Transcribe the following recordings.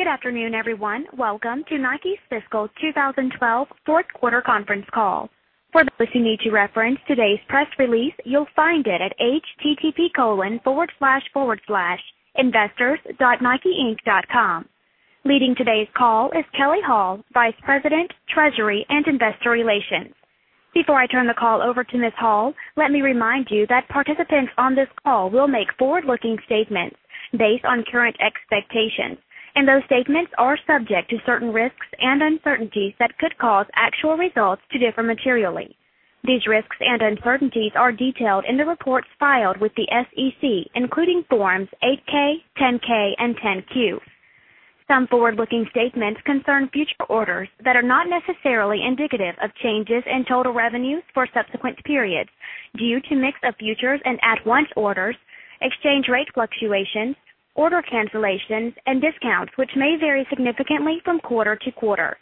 Good afternoon, everyone. Welcome to Nike's fiscal 2012 fourth quarter conference call. For those who need to reference today's press release, you'll find it at http://investors.nikeinc.com. Leading today's call is Kelley Hall, Vice President, Treasury and Investor Relations. Before I turn the call over to Ms. Hall, let me remind you that participants on this call will make forward-looking statements based on current expectations, and those statements are subject to certain risks and uncertainties that could cause actual results to differ materially. These risks and uncertainties are detailed in the reports filed with the SEC, including Forms 8-K, 10-K, and 10-Q. Some forward-looking statements concern future orders that are not necessarily indicative of changes in total revenues for subsequent periods due to mix of futures and at-once orders, exchange rate fluctuations, order cancellations, and discounts, which may vary significantly from quarter to quarter.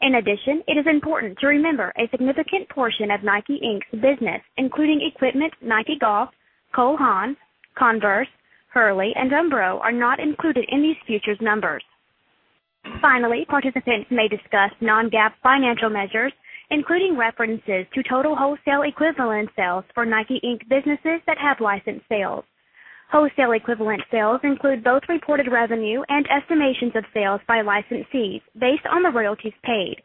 It is important to remember a significant portion of Nike, Inc.'s business, including equipment, Nike Golf, Cole Haan, Converse, Hurley, and Umbro, are not included in these futures numbers. Participants may discuss non-GAAP financial measures, including references to total wholesale equivalent sales for Nike, Inc. businesses that have licensed sales. Wholesale equivalent sales include both reported revenue and estimations of sales by licensees based on the royalties paid.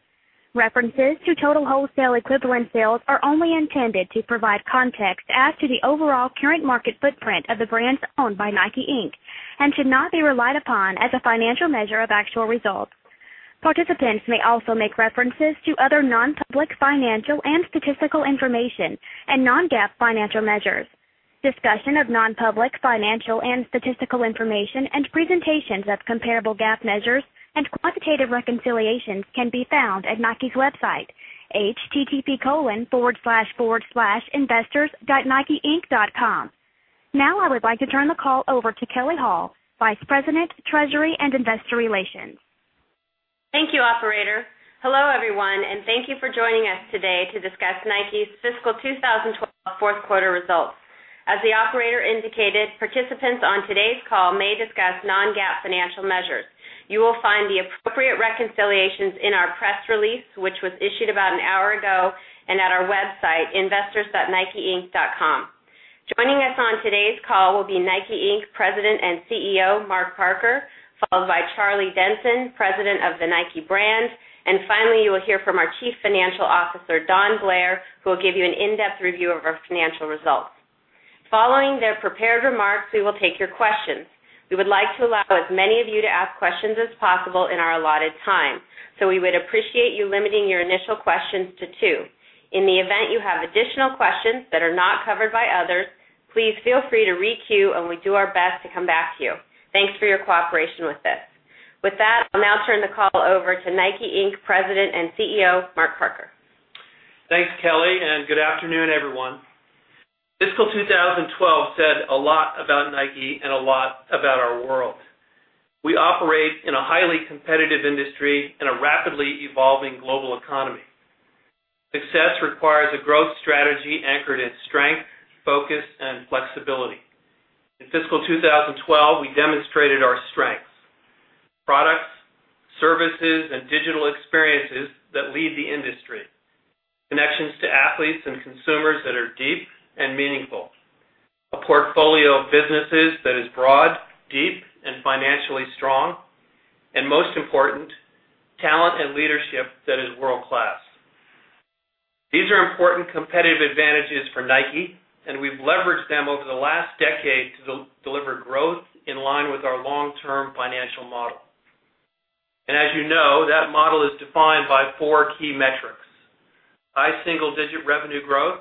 References to total wholesale equivalent sales are only intended to provide context as to the overall current market footprint of the brands owned by Nike, Inc., and should not be relied upon as a financial measure of actual results. Participants may also make references to other non-public financial and statistical information and non-GAAP financial measures. Discussion of non-public financial and statistical information and presentations of comparable GAAP measures and quantitative reconciliations can be found at Nike's website, http://investors.nikeinc.com. I would like to turn the call over to Kelley Hall, Vice President, Treasury and Investor Relations. Thank you, Operator. Hello, everyone, and thank you for joining us today to discuss Nike's fiscal 2012 fourth quarter results. As the operator indicated, participants on today's call may discuss non-GAAP financial measures. You will find the appropriate reconciliations in our press release, which was issued about an hour ago, and at our website, investors.nikeinc.com. Joining us on today's call will be Nike, Inc. President and CEO, Mark Parker, followed by Charlie Denson, President of the Nike brand, and finally, you will hear from our Chief Financial Officer, Don Blair, who will give you an in-depth review of our financial results. Following their prepared remarks, we will take your questions. We would like to allow as many of you to ask questions as possible in our allotted time. We would appreciate you limiting your initial questions to two. In the event you have additional questions that are not covered by others, please feel free to re-queue. We do our best to come back to you. Thanks for your cooperation with this. With that, I'll now turn the call over to Nike, Inc. President and CEO, Mark Parker. Thanks, Kelley, good afternoon, everyone. Fiscal 2012 said a lot about Nike and a lot about our world. We operate in a highly competitive industry in a rapidly evolving global economy. Success requires a growth strategy anchored in strength, focus, and flexibility. In Fiscal 2012, we demonstrated our strengths, products, services, and digital experiences that lead the industry. Connections to athletes and consumers that are deep and meaningful. A portfolio of businesses that is broad, deep, and financially strong. Most important, talent and leadership that is world-class. These are important competitive advantages for Nike. We've leveraged them over the last decade to deliver growth in line with our long-term financial model. As you know, that model is defined by four key metrics. High single-digit revenue growth,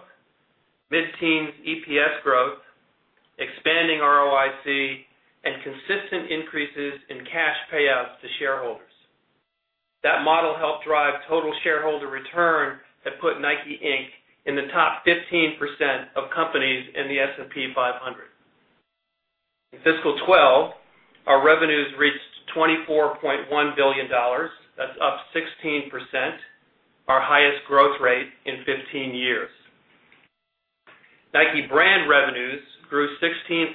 mid-teens EPS growth, expanding ROIC, and consistent increases in cash payouts to shareholders. That model helped drive total shareholder return that put Nike, Inc. in the top 15% of companies in the S&P 500. In Fiscal 2012, our revenues reached $24.1 billion. That's up 16%, our highest growth rate in 15 years. Nike brand revenues grew 16%.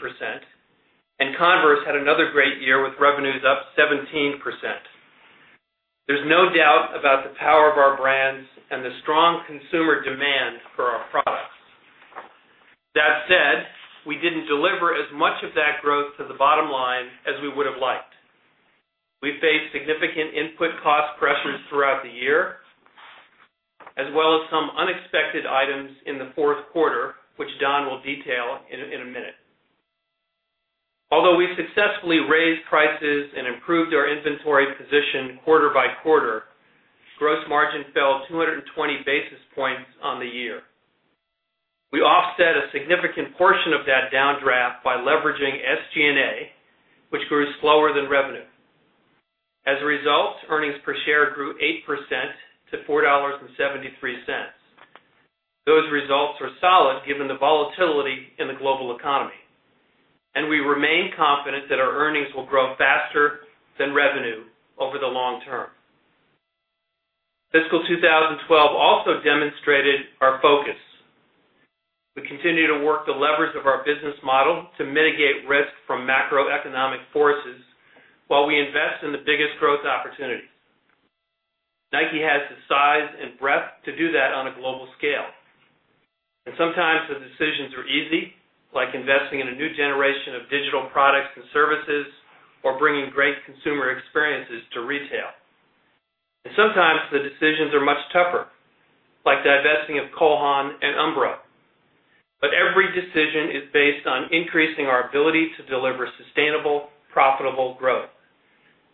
Converse had another great year with revenues up 17%. There's no doubt about the power of our brands and the strong consumer demand for our products. That said, we didn't deliver as much of that growth to the bottom line as we would have liked. We faced significant input cost pressures throughout the year, as well as some unexpected items in the fourth quarter, which Don will detail in a minute. Although we successfully raised prices and improved our inventory position quarter by quarter, gross margin fell 220 basis points on the year. We offset a significant portion of that downdraft by leveraging SG&A, which grew slower than revenue. As a result, earnings per share grew 8% to $4.73. Those results were solid, given the volatility in the global economy. We remain confident that our earnings will grow faster than revenue over the long term. Fiscal 2013 Continue to work the levers of our business model to mitigate risk from macroeconomic forces while we invest in the biggest growth opportunities. Nike has the size and breadth to do that on a global scale. Sometimes the decisions are easy, like investing in a new generation of digital products and services or bringing great consumer experiences to retail. Sometimes the decisions are much tougher, like divesting of Cole Haan and Umbro. Every decision is based on increasing our ability to deliver sustainable, profitable growth.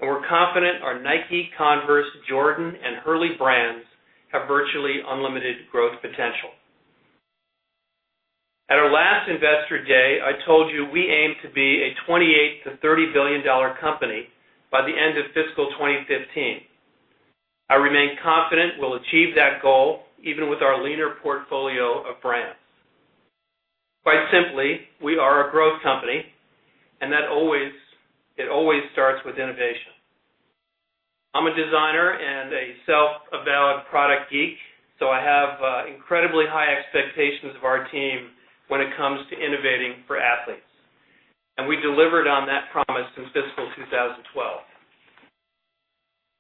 We're confident our Nike, Converse, Jordan, and Hurley brands have virtually unlimited growth potential. At our last Investor Day, I told you we aim to be a $28 billion-$30 billion company by the end of FY 2015. I remain confident we'll achieve that goal, even with our leaner portfolio of brands. Quite simply, we are a growth company, and it always starts with innovation. I'm a designer and a self-avowed product geek, so I have incredibly high expectations of our team when it comes to innovating for athletes. We delivered on that promise in FY 2012.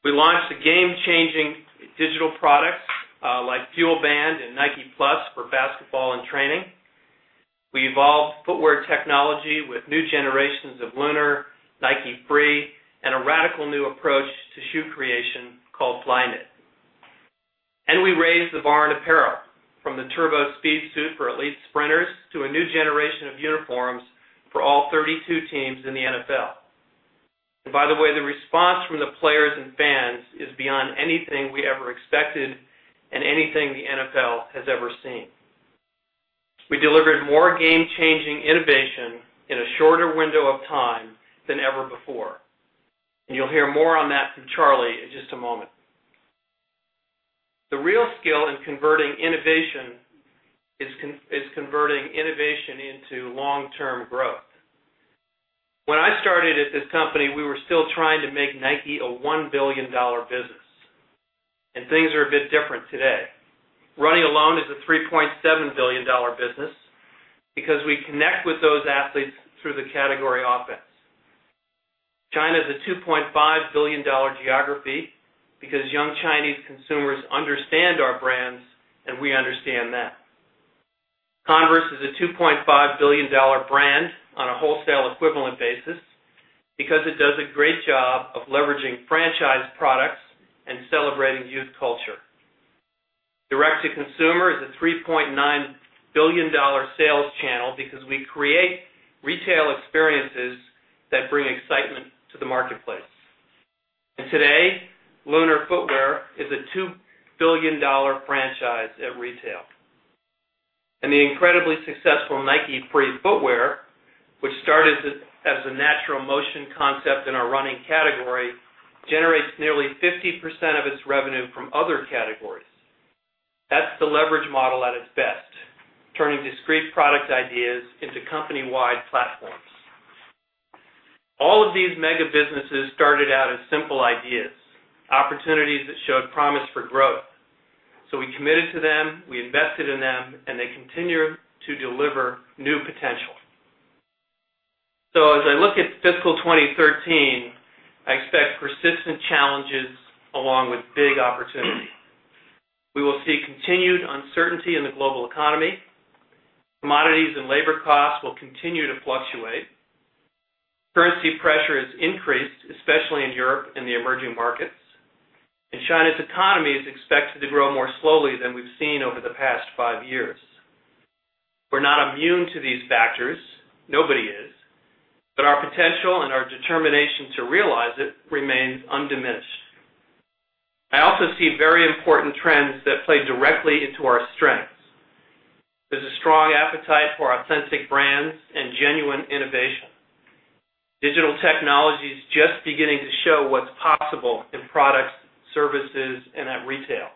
We launched the game-changing digital products, like FuelBand and Nike+ for basketball and training. We evolved footwear technology with new generations of Lunar, Nike Free, and a radical new approach to shoe creation called Flyknit. We raised the bar in apparel from the TurboSpeed suit for elite sprinters to a new generation of uniforms for all 32 teams in the NFL. By the way, the response from the players and fans is beyond anything we ever expected and anything the NFL has ever seen. We delivered more game-changing innovation in a shorter window of time than ever before. You'll hear more on that from Charlie in just a moment. The real skill in converting innovation is converting innovation into long-term growth. When I started at this company, we were still trying to make Nike a $1 billion business, and things are a bit different today. Running alone is a $3.7 billion business because we connect with those athletes through the category offense. China is a $2.5 billion geography because young Chinese consumers understand our brands, and we understand them. Converse is a $2.5 billion brand on a wholesale equivalent basis because it does a great job of leveraging franchise products and celebrating youth culture. Direct-to-consumer is a $3.9 billion sales channel because we create retail experiences that bring excitement to the marketplace. Today, Lunar footwear is a $2 billion franchise at retail. The incredibly successful Nike Free footwear, which started as a natural motion concept in our running category, generates nearly 50% of its revenue from other categories. That's the leverage model at its best, turning discrete product ideas into company-wide platforms. All of these mega businesses started out as simple ideas, opportunities that showed promise for growth. We committed to them, we invested in them, and they continue to deliver new potential. As I look at FY 2013, I expect persistent challenges along with big opportunity. We will see continued uncertainty in the global economy. Commodities and labor costs will continue to fluctuate. Currency pressure has increased, especially in Europe and the emerging markets. China's economy is expected to grow more slowly than we've seen over the past five years. We're not immune to these factors. Nobody is. Our potential and our determination to realize it remains undiminished. I also see very important trends that play directly into our strengths. There's a strong appetite for authentic brands and genuine innovation. Digital technology is just beginning to show what's possible in products, services, and at retail.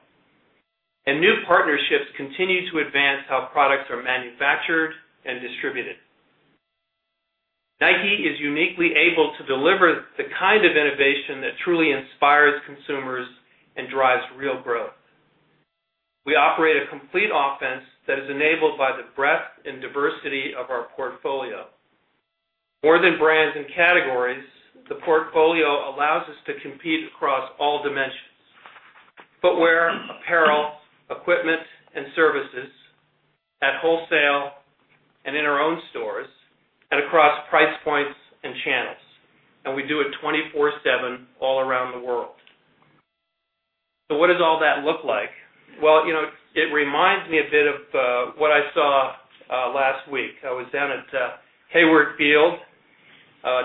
New partnerships continue to advance how products are manufactured and distributed. Nike is uniquely able to deliver the kind of innovation that truly inspires consumers and drives real growth. We operate a complete offense that is enabled by the breadth and diversity of our portfolio. More than brands and categories, the portfolio allows us to compete across all dimensions. Footwear, apparel, equipment, and services at wholesale and in our own stores, and across price points and channels. We do it 24/7 all around the world. What does all that look like? Well, it reminds me a bit of what I saw last week. I was down at Hayward Field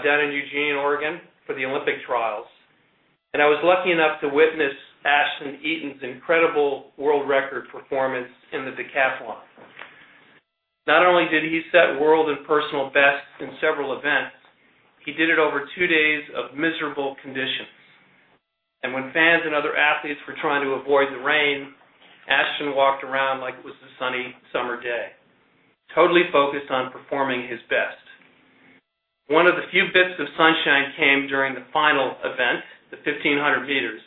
down in Eugene, Oregon, for the Olympic trials. I was lucky enough to witness Ashton Eaton's incredible world record performance in the decathlon. Not only did he set world and personal bests in several events, he did it over two days of miserable conditions. When fans and other athletes were trying to avoid the rain, Ashton walked around like it was a sunny summer day, totally focused on performing his best. One of the few bits of sunshine came during the final event, the 1,500 meters.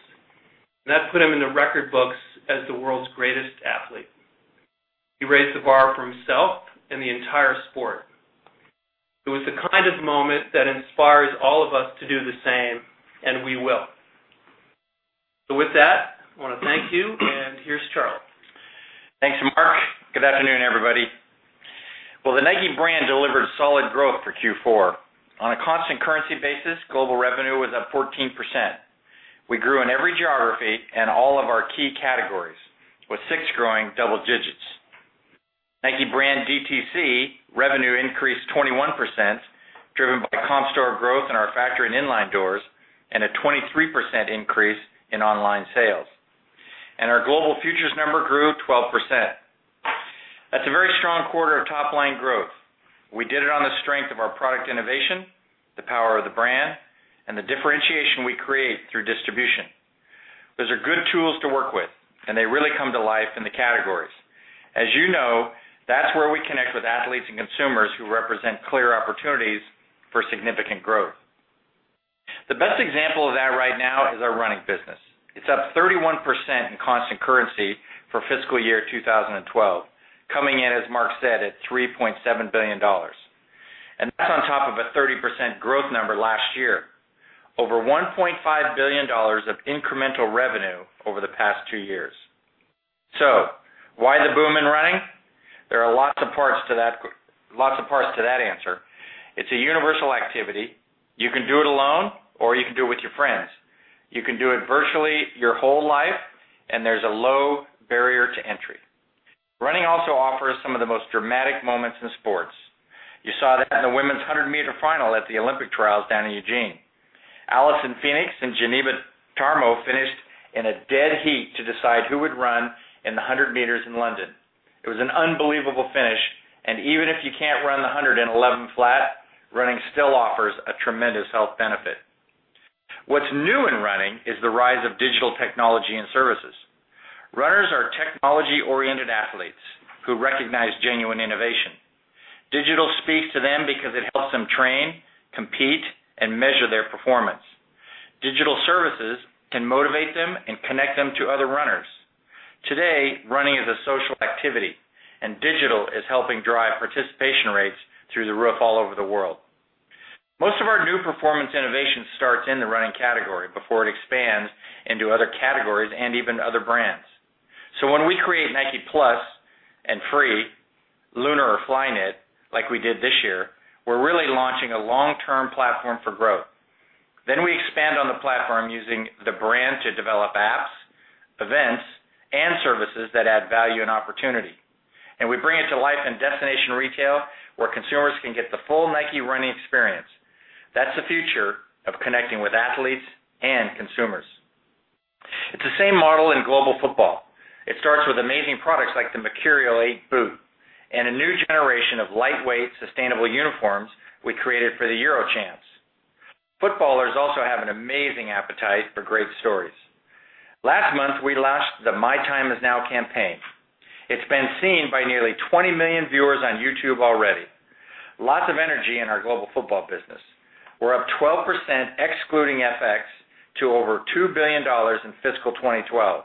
That put him in the record books as the world's greatest athlete. He raised the bar for himself and the entire sport. It was the kind of moment that inspires all of us to do the same, and we will. With that, I want to thank you, and here's Charlie. Thanks, Mark. Good afternoon, everybody. Well, the Nike brand delivered solid growth for Q4. On a constant currency basis, global revenue was up 14%. We grew in every geography and all of our key categories, with six growing double digits. Nike brand DTC revenue increased 21%, driven by comp store growth in our factory and in-line doors and a 23% increase in online sales. Our global futures number grew 12%. That's a very strong quarter of top-line growth. We did it on the strength of our product innovation, the power of the brand, and the differentiation we create through distribution. Those are good tools to work with, and they really come to life in the categories. As you know, that's where we connect with athletes and consumers who represent clear opportunities for significant growth. The best example of that right now is our running business. It's up 31% in constant currency for fiscal year 2012, coming in, as Mark said, at $3.7 billion. That's on top of a 30% growth number last year. Over $1.5 billion of incremental revenue over the past two years. Why the boom in running? There are lots of parts to that answer. It's a universal activity. You can do it alone, or you can do it with your friends. You can do it virtually your whole life, and there's a low barrier to entry. Running also offers some of the most dramatic moments in sports. You saw that in the women's 100-meter final at the Olympic trials down in Eugene. Allyson Felix and Jeneba Tarmoh finished in a dead heat to decide who would run in the 100 meters in London. It was an unbelievable finish, even if you can't run the 100 in 11 flat, running still offers a tremendous health benefit. What's new in running is the rise of digital technology and services. Runners are technology-oriented athletes who recognize genuine innovation. Digital speaks to them because it helps them train, compete, and measure their performance. Digital services can motivate them and connect them to other runners. Today, running is a social activity, digital is helping drive participation rates through the roof all over the world. Most of our new performance innovation starts in the running category before it expands into other categories and even other brands. When we create Nike+ and Free, Lunar or Flyknit, like we did this year, we're really launching a long-term platform for growth. We expand on the platform using the brand to develop apps, events, and services that add value and opportunity. We bring it to life in destination retail, where consumers can get the full Nike running experience. That's the future of connecting with athletes and consumers. It's the same model in global football. It starts with amazing products like the Mercurial 8 boot and a new generation of lightweight, sustainable uniforms we created for the Euro champs. Footballers also have an amazing appetite for great stories. Last month, we launched the My Time Is Now campaign. It's been seen by nearly 20 million viewers on YouTube already. Lots of energy in our global football business. We're up 12%, excluding FX, to over $2 billion in fiscal 2012.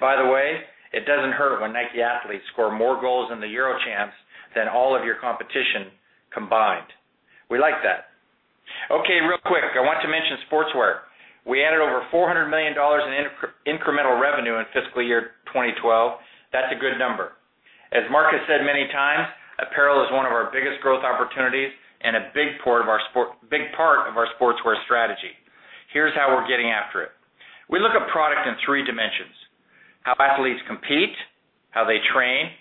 By the way, it doesn't hurt when Nike athletes score more goals in the Euro champs than all of your competition combined. We like that. Okay, real quick, I want to mention sportswear. We added over $400 million in incremental revenue in fiscal year 2012. That's a good number. As Mark has said many times, apparel is one of our biggest growth opportunities and a big part of our sportswear strategy. Here's how we're getting after it. We look at product in three dimensions, how athletes compete, how they train,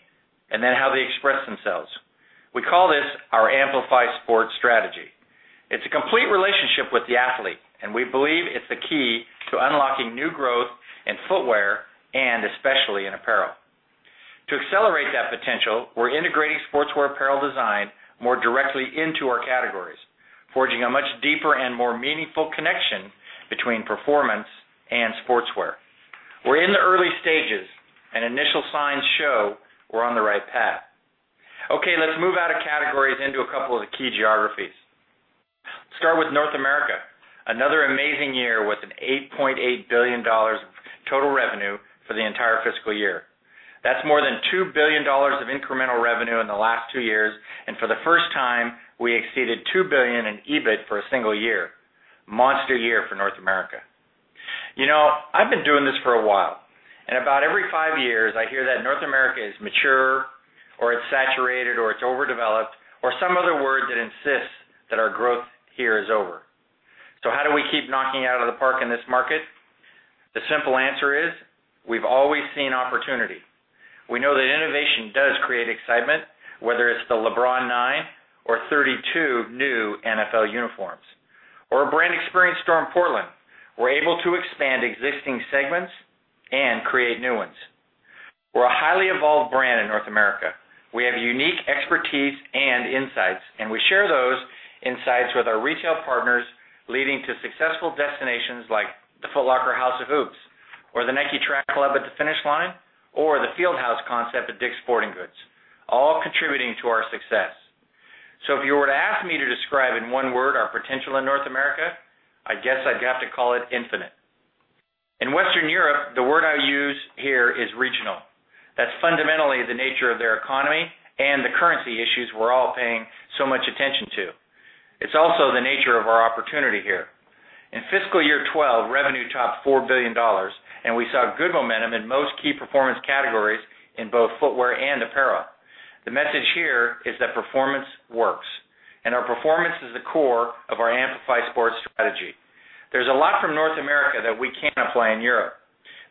then how they express themselves. We call this our Amplify Sport strategy. It's a complete relationship with the athlete, we believe it's the key to unlocking new growth in footwear and especially in apparel. To accelerate that potential, we're integrating sportswear apparel design more directly into our categories, forging a much deeper and more meaningful connection between performance and sportswear. We're in the early stages, initial signs show we're on the right path. Okay, let's move out of categories into a couple of the key geographies. Let's start with North America. Another amazing year with an $8.8 billion total revenue for the entire fiscal year. That's more than $2 billion of incremental revenue in the last two years. For the first time, we exceeded $2 billion in EBIT for a single year. Monster year for North America. You know, I've been doing this for a while, about every five years, I hear that North America is mature or it's saturated or it's overdeveloped or some other word that insists that our growth here is over. How do we keep knocking it out of the park in this market? The simple answer is, we've always seen opportunity. We know that innovation does create excitement, whether it's the LeBron 9 or 32 new NFL uniforms or a brand experience store in Portland. We're able to expand existing segments and create new ones. We're a highly evolved brand in North America. We have unique expertise and insights, and we share those insights with our retail partners, leading to successful destinations like the Foot Locker House of Hoops. Or the Nike Track Club at the Finish Line, or the Field House concept at Dick's Sporting Goods, all contributing to our success. If you were to ask me to describe in one word our potential in North America, I guess I'd have to call it infinite. In Western Europe, the word I use here is regional. That's fundamentally the nature of their economy and the currency issues we're all paying so much attention to. It's also the nature of our opportunity here. In fiscal year 2012, revenue topped $4 billion, and we saw good momentum in most key performance categories in both footwear and apparel. The message here is that performance works, and our performance is the core of our Amplify Sport strategy. There's a lot from North America that we can apply in Europe.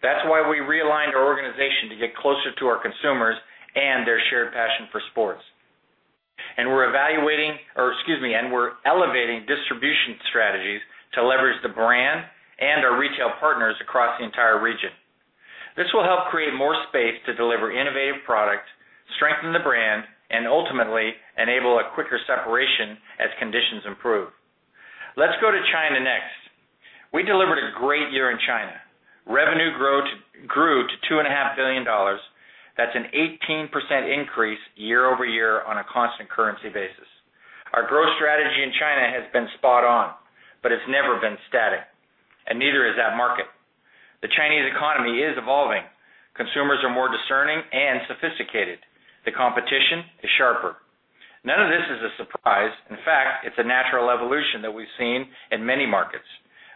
That's why we realigned our organization to get closer to our consumers and their shared passion for sports. We're elevating distribution strategies to leverage the brand and our retail partners across the entire region. This will help create more space to deliver innovative products, strengthen the brand, and ultimately enable a quicker separation as conditions improve. Let's go to China next. We delivered a great year in China. Revenue grew to $2.5 billion. That's an 18% increase year-over-year on a constant currency basis. Our growth strategy in China has been spot on, it's never been static, and neither is that market. The Chinese economy is evolving. Consumers are more discerning and sophisticated. The competition is sharper. None of this is a surprise. In fact, it's a natural evolution that we've seen in many markets.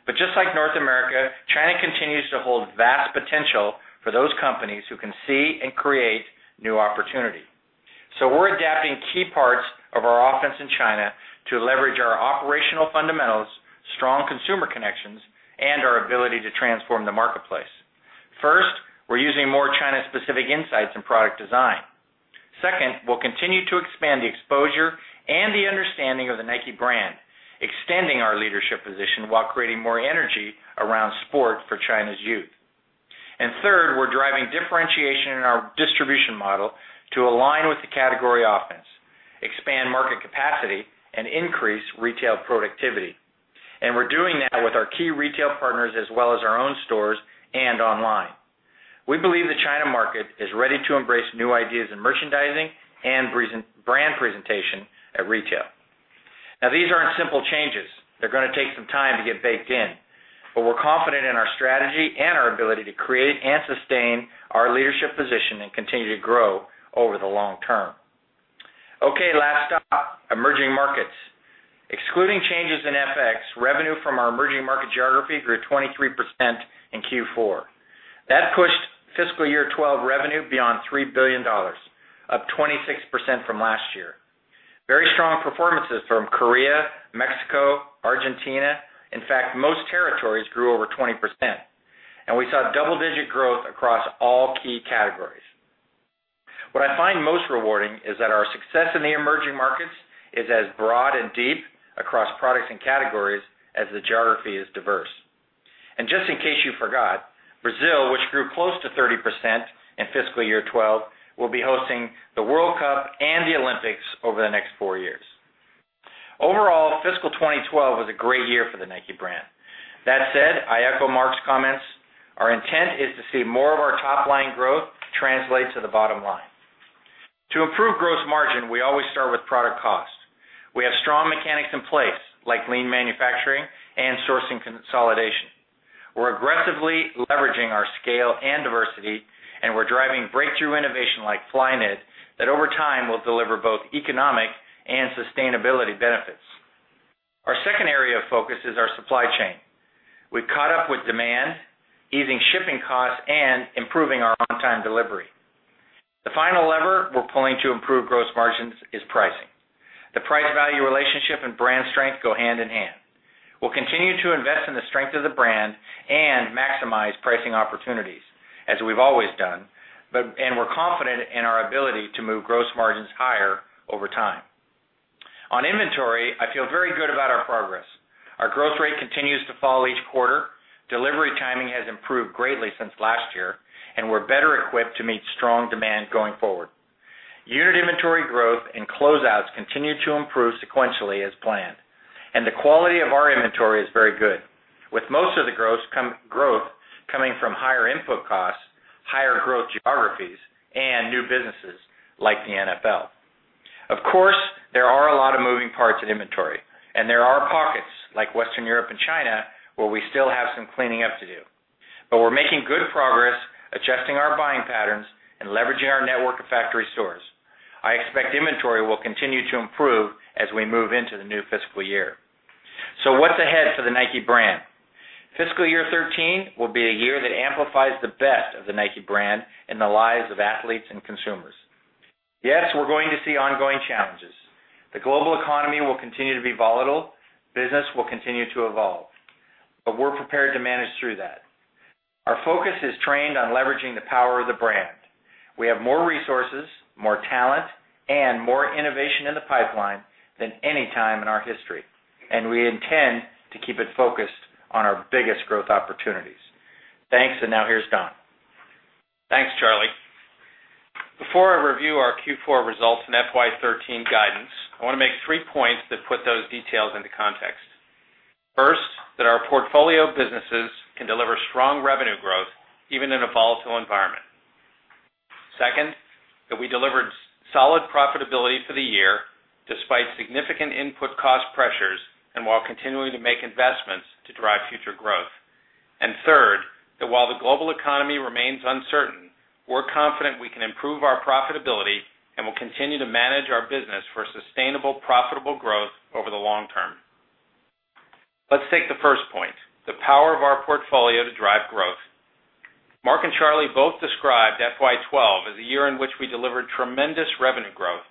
Just like North America, China continues to hold vast potential for those companies who can see and create new opportunity. We're adapting key parts of our offense in China to leverage our operational fundamentals, strong consumer connections, and our ability to transform the marketplace. First, we're using more China specific insights in product design. Second, we'll continue to expand the exposure and the understanding of the Nike brand, extending our leadership position while creating more energy around sport for China's youth. Third, we're driving differentiation in our distribution model to align with the category offense, expand market capacity, and increase retail productivity. We're doing that with our key retail partners as well as our own stores and online. We believe the China market is ready to embrace new ideas in merchandising and brand presentation at retail. These aren't simple changes. They're going to take some time to get baked in. We're confident in our strategy and our ability to create and sustain our leadership position and continue to grow over the long term. Last stop, emerging markets. Excluding changes in FX, revenue from our emerging market geography grew 23% in Q4. That pushed fiscal year 2012 revenue beyond $3 billion, up 26% from last year. Very strong performances from Korea, Mexico, Argentina. In fact, most territories grew over 20%, and we saw double-digit growth across all key categories. What I find most rewarding is that our success in the emerging markets is as broad and deep across products and categories as the geography is diverse. Just in case you forgot, Brazil, which grew close to 30% in fiscal year 2012, will be hosting the World Cup and the Olympics over the next four years. Overall, fiscal 2012 was a great year for the Nike brand. That said, I echo Mark's comments. Our intent is to see more of our top-line growth translate to the bottom line. To improve gross margin, we always start with product cost. We have strong mechanics in place, like lean manufacturing and sourcing consolidation. We're aggressively leveraging our scale and diversity, and we're driving breakthrough innovation like Flyknit that over time will deliver both economic and sustainability benefits. Our second area of focus is our supply chain. We've caught up with demand, easing shipping costs and improving our on-time delivery. The final lever we're pulling to improve gross margins is pricing. The price-value relationship and brand strength go hand in hand. We'll continue to invest in the strength of the brand and maximize pricing opportunities, as we've always done, and we're confident in our ability to move gross margins higher over time. On inventory, I feel very good about our progress. Our growth rate continues to fall each quarter. Delivery timing has improved greatly since last year, and we're better equipped to meet strong demand going forward. Unit inventory growth and closeouts continue to improve sequentially as planned. The quality of our inventory is very good. With most of the growth coming from higher input costs, higher growth geographies, and new businesses like the NFL. Of course, there are a lot of moving parts in inventory, and there are pockets like Western Europe and China where we still have some cleaning up to do. We're making good progress adjusting our buying patterns and leveraging our network of factory stores. I expect inventory will continue to improve as we move into the new fiscal year. What's ahead for the Nike brand? Fiscal year 2013 will be a year that amplifies the best of the Nike brand in the lives of athletes and consumers. Yes, we're going to see ongoing challenges. The global economy will continue to be volatile. Business will continue to evolve. We're prepared to manage through that. Our focus is trained on leveraging the power of the brand. We have more resources, more talent, and more innovation in the pipeline than any time in our history. We intend to keep it focused on our biggest growth opportunities. Thanks, and now here's Don. Thanks, Charlie. Before I review our Q4 results and FY 2013 guidance, I want to make three points that put those details into context. First, that our portfolio businesses can deliver strong revenue growth even in a volatile environment. Second, that we delivered solid profitability for the year despite significant input cost pressures and while continuing to make investments to drive future growth. Third, that while the global economy remains uncertain, we're confident we can improve our profitability and will continue to manage our business for sustainable, profitable growth over the long term. Let's take the first point, the power of our portfolio to drive growth. Mark and Charlie both described FY 2012 as a year in which we delivered tremendous revenue growth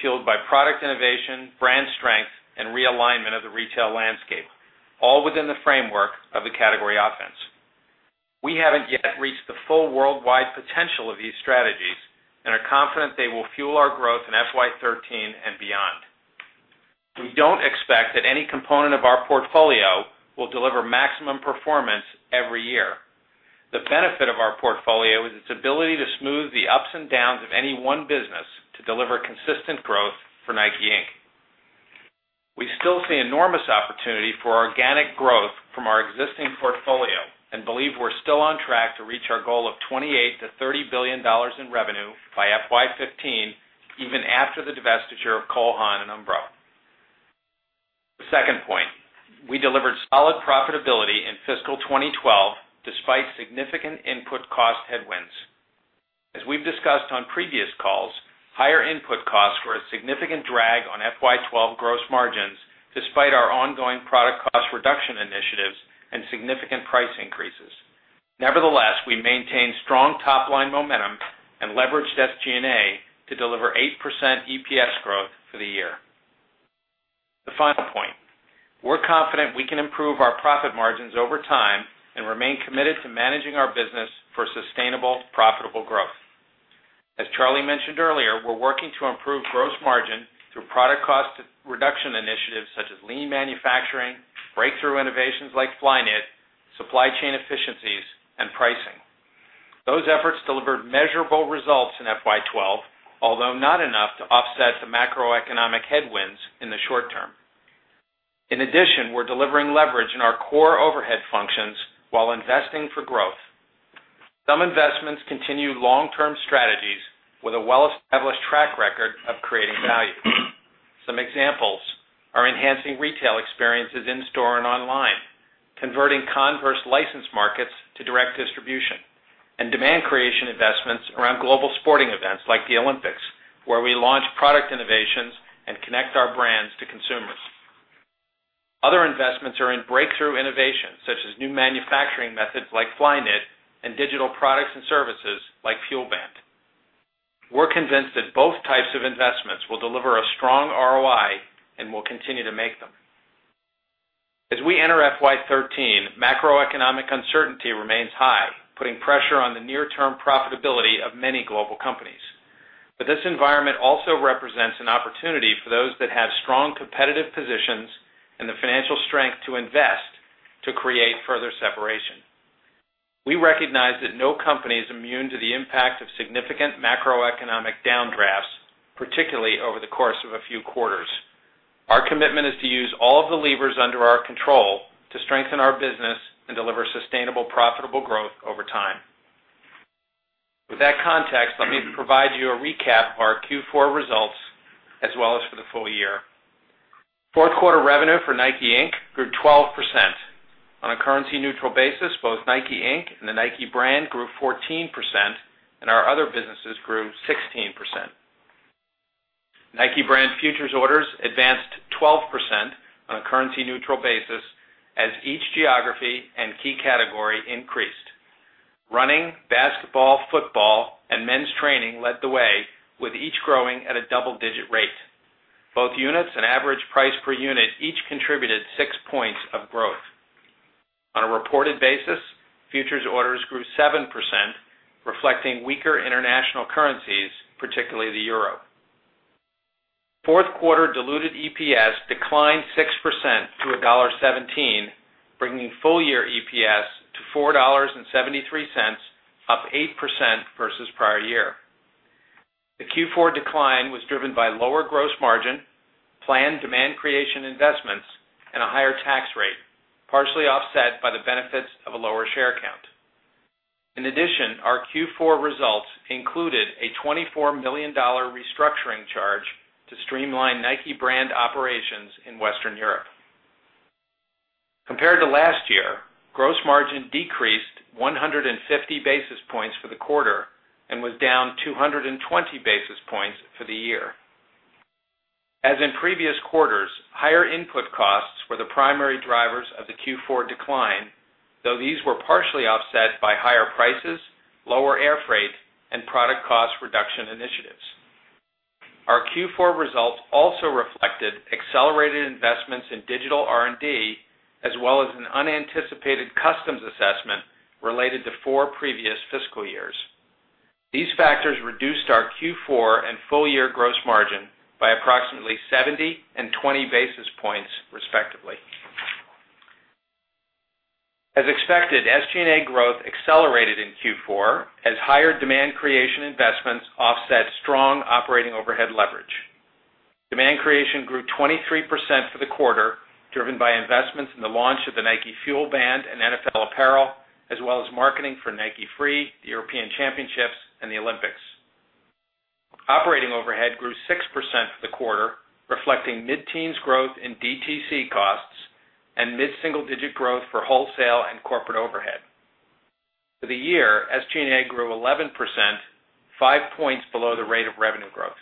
fueled by product innovation, brand strength, and realignment of the retail landscape, all within the framework of the category offense. We haven't yet reached the full worldwide potential of these strategies and are confident they will fuel our growth in FY 2013 and beyond. We don't expect that any component of our portfolio will deliver maximum performance every year. The benefit of our portfolio is its ability to smooth the ups and downs of any one business to deliver consistent growth for Nike, Inc. We still see enormous opportunity for organic growth from our existing portfolio and believe we're still on track to reach our goal of $28 billion-$30 billion in revenue by FY 2015, even after the divestiture of Cole Haan and Umbro. The second point, we delivered solid profitability in fiscal 2012 despite significant input cost headwinds. As we've discussed on previous calls, higher input costs were a significant drag on FY 2012 gross margins despite our ongoing product cost reduction initiatives and significant price increases. Nevertheless, we maintained strong top-line momentum and leveraged SG&A to deliver 8% EPS growth for the year. The final point, we're confident we can improve our profit margins over time and remain committed to managing our business for sustainable, profitable growth. As Charlie mentioned earlier, we're working to improve gross margin through product cost reduction initiatives such as lean manufacturing, breakthrough innovations like Flyknit, supply chain efficiencies, and pricing. Those efforts delivered measurable results in FY 2012, although not enough to offset the macroeconomic headwinds in the short term. In addition, we're delivering leverage in our core overhead functions while investing for growth. Some investments continue long-term strategies with a well-established track record of creating value. Some examples are enhancing retail experiences in-store and online, converting Converse license markets to direct distribution, and demand creation investments around global sporting events like the Olympics, where we launch product innovations and connect our brands to consumers. Other investments are in breakthrough innovations such as new manufacturing methods like Flyknit and digital products and services like FuelBand. We're convinced that both types of investments will deliver a strong ROI and will continue to make them. As we enter FY 2013, macroeconomic uncertainty remains high, putting pressure on the near-term profitability of many global companies. This environment also represents an opportunity for those that have strong competitive positions and the financial strength to invest to create further separation. We recognize that no company is immune to the impact of significant macroeconomic downdrafts, particularly over the course of a few quarters. Our commitment is to use all of the levers under our control to strengthen our business and deliver sustainable, profitable growth over time. With that context, let me provide you a recap of our Q4 results as well as for the full year. Fourth quarter revenue for Nike, Inc. grew 12%. On a currency-neutral basis, both Nike, Inc. and the Nike brand grew 14%, and our other businesses grew 16%. Nike brand futures orders advanced 12% on a currency-neutral basis as each geography and key category increased. Running, basketball, football, and men's training led the way, with each growing at a double-digit rate. Both units and average price per unit each contributed six points of growth. On a reported basis, futures orders grew 7%, reflecting weaker international currencies, particularly the EUR. Fourth quarter diluted EPS declined 6% to $1.17, bringing full-year EPS to $4.73, up 8% versus prior year. The Q4 decline was driven by lower gross margin, planned demand creation investments, and a higher tax rate, partially offset by the benefits of a lower share count. In addition, our Q4 results included a $24 million restructuring charge to streamline Nike brand operations in Western Europe. Compared to last year, gross margin decreased 150 basis points for the quarter and was down 220 basis points for the year. As in previous quarters, higher input costs were the primary drivers of the Q4 decline, though these were partially offset by higher prices, lower air freight, and product cost reduction initiatives. Our Q4 results also reflected accelerated investments in digital R&D, as well as an unanticipated customs assessment related to four previous fiscal years. These factors reduced our Q4 and full-year gross margin by approximately 70 and 20 basis points, respectively. As expected, SG&A growth accelerated in Q4 as higher demand creation investments offset strong operating overhead leverage. Demand creation grew 23% for the quarter, driven by investments in the launch of the Nike+ FuelBand and NFL apparel, as well as marketing for Nike Free, the European Championships, and the Olympics. Operating overhead grew 6% for the quarter, reflecting mid-teens growth in DTC costs and mid-single-digit growth for wholesale and corporate overhead. For the year, SG&A grew 11%, five points below the rate of revenue growth.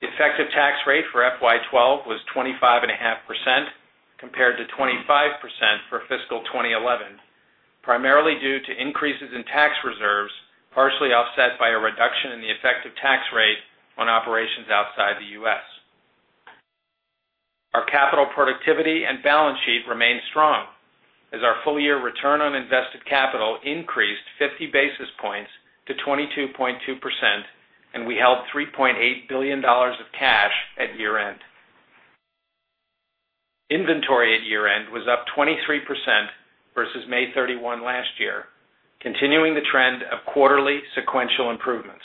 The effective tax rate for FY 2012 was 25.5% compared to 25% for fiscal 2011, primarily due to increases in tax reserves, partially offset by a reduction in the effective tax rate on operations outside the U.S. Our capital productivity and balance sheet remain strong as our full-year return on invested capital increased 50 basis points to 22.2%, and we held $3.8 billion of cash at year-end. Inventory at year-end was up 23% versus May 31 last year, continuing the trend of quarterly sequential improvements.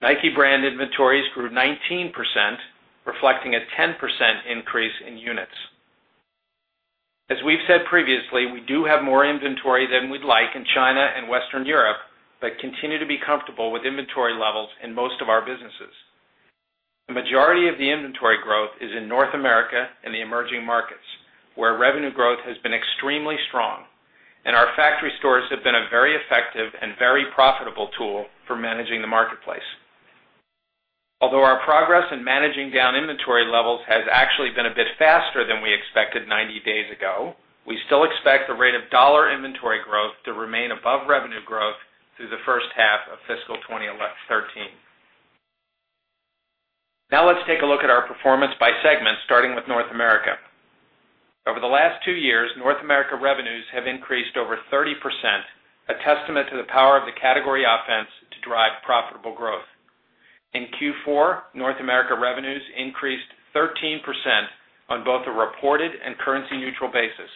Nike brand inventories grew 19%, reflecting a 10% increase in units. As we've said previously, we do have more inventory than we'd like in China and Western Europe, but continue to be comfortable with inventory levels in most of our businesses. The majority of the inventory growth is in North America and the emerging markets, where revenue growth has been extremely strong and our factory stores have been a very effective and very profitable tool for managing the marketplace. Although our progress in managing down inventory levels has actually been a bit faster than we expected 90 days ago, we still expect the rate of dollar inventory growth to remain above revenue growth through the first half of fiscal 2013. Now let's take a look at our performance by segment, starting with North America. Over the last two years, North America revenues have increased over 30%, a testament to the power of the category offense to drive profitable growth. In Q4, North America revenues increased 13% on both a reported and currency-neutral basis,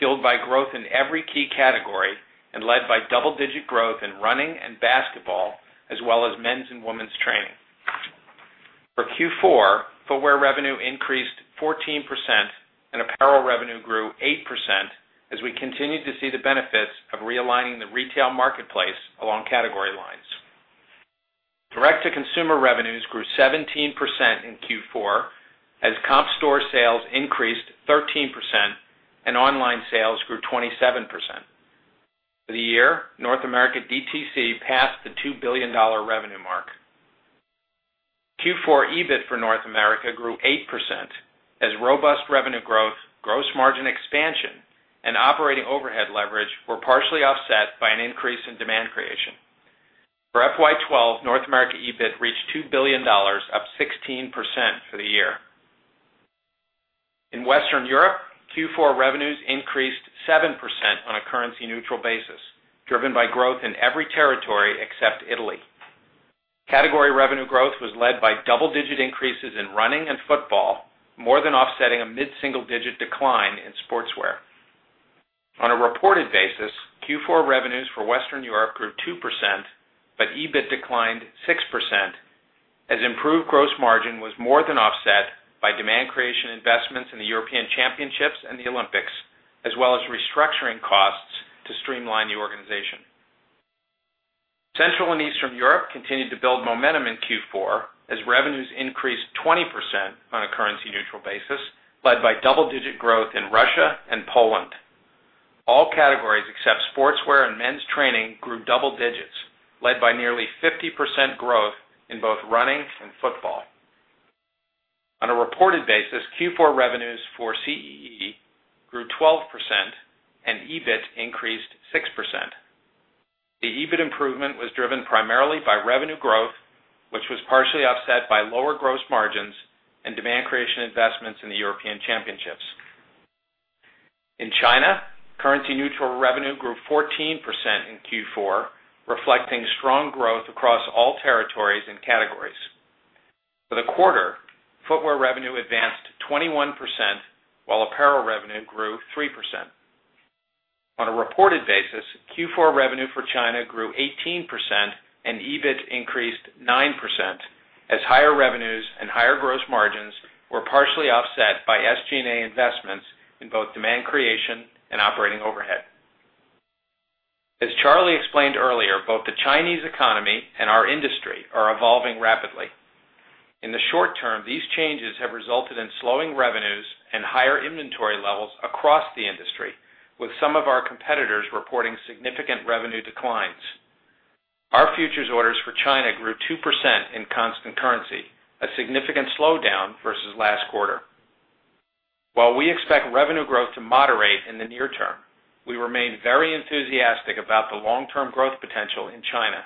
fueled by growth in every key category and led by double-digit growth in running and basketball, as well as men's and women's training. For Q4, footwear revenue increased 14% and apparel revenue grew 8% as we continued to see the benefits of realigning the retail marketplace along category lines. Direct-to-consumer revenues grew 17% in Q4 as comp store sales increased 13% and online sales grew 27%. For the year, North America DTC passed the $2 billion revenue mark. Q4 EBIT for North America grew 8% as robust revenue growth, gross margin expansion, and operating overhead leverage were partially offset by an increase in demand creation. For FY 2012, North America EBIT reached $2 billion, up 16% for the year. In Western Europe, Q4 revenues increased 7% on a currency-neutral basis, driven by growth in every territory except Italy. Category revenue growth was led by double-digit increases in running and football, more than offsetting a mid-single-digit decline in sportswear. On a reported basis, Q4 revenues for Western Europe grew 2%, but EBIT declined 6% as improved gross margin was more than offset by demand creation investments in the European Championships and the Olympics, as well as restructuring costs to streamline the organization. Central and Eastern Europe continued to build momentum in Q4 as revenues increased 20% on a currency-neutral basis, led by double-digit growth in Russia and Poland. All categories except sportswear and men's training grew double digits, led by nearly 50% growth in both running and football. On a reported basis, Q4 revenues for CEE grew 12% and EBIT increased 6%. The EBIT improvement was driven primarily by revenue growth, which was partially offset by lower gross margins and demand creation investments in the European Championships. In China, currency-neutral revenue grew 14% in Q4, reflecting strong growth across all territories and categories. For the quarter, footwear revenue advanced 21%, while apparel revenue grew 3%. On a reported basis, Q4 revenue for China grew 18% and EBIT increased 9% as higher revenues and higher gross margins were partially offset by SG&A investments in both demand creation and operating overhead. As Charlie explained earlier, both the Chinese economy and our industry are evolving rapidly. In the short term, these changes have resulted in slowing revenues and higher inventory levels across the industry, with some of our competitors reporting significant revenue declines. Our futures orders for China grew 2% in constant currency, a significant slowdown versus last quarter. While we expect revenue growth to moderate in the near term, we remain very enthusiastic about the long-term growth potential in China.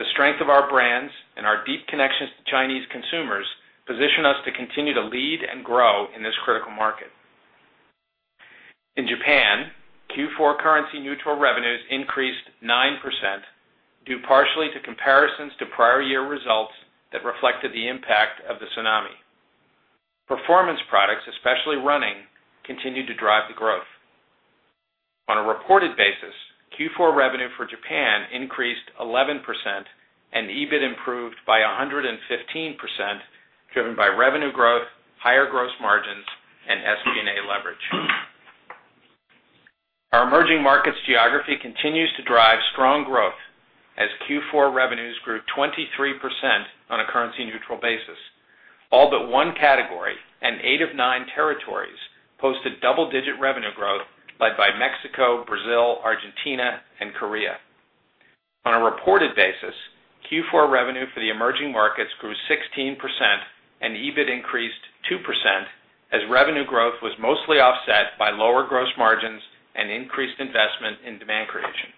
The strength of our brands and our deep connections to Chinese consumers position us to continue to lead and grow in this critical market. In Japan Core currency neutral revenues increased 9%, due partially to comparisons to prior year results that reflected the impact of the tsunami. Performance products, especially running, continued to drive the growth. On a reported basis, Q4 revenue for Japan increased 11% and EBIT improved by 115%, driven by revenue growth, higher gross margins, and SG&A leverage. Our emerging markets geography continues to drive strong growth as Q4 revenues grew 23% on a currency neutral basis. All but one category and eight of nine territories posted double-digit revenue growth led by Mexico, Brazil, Argentina, and Korea. On a reported basis, Q4 revenue for the emerging markets grew 16% and EBIT increased 2% as revenue growth was mostly offset by lower gross margins and increased investment in demand creation.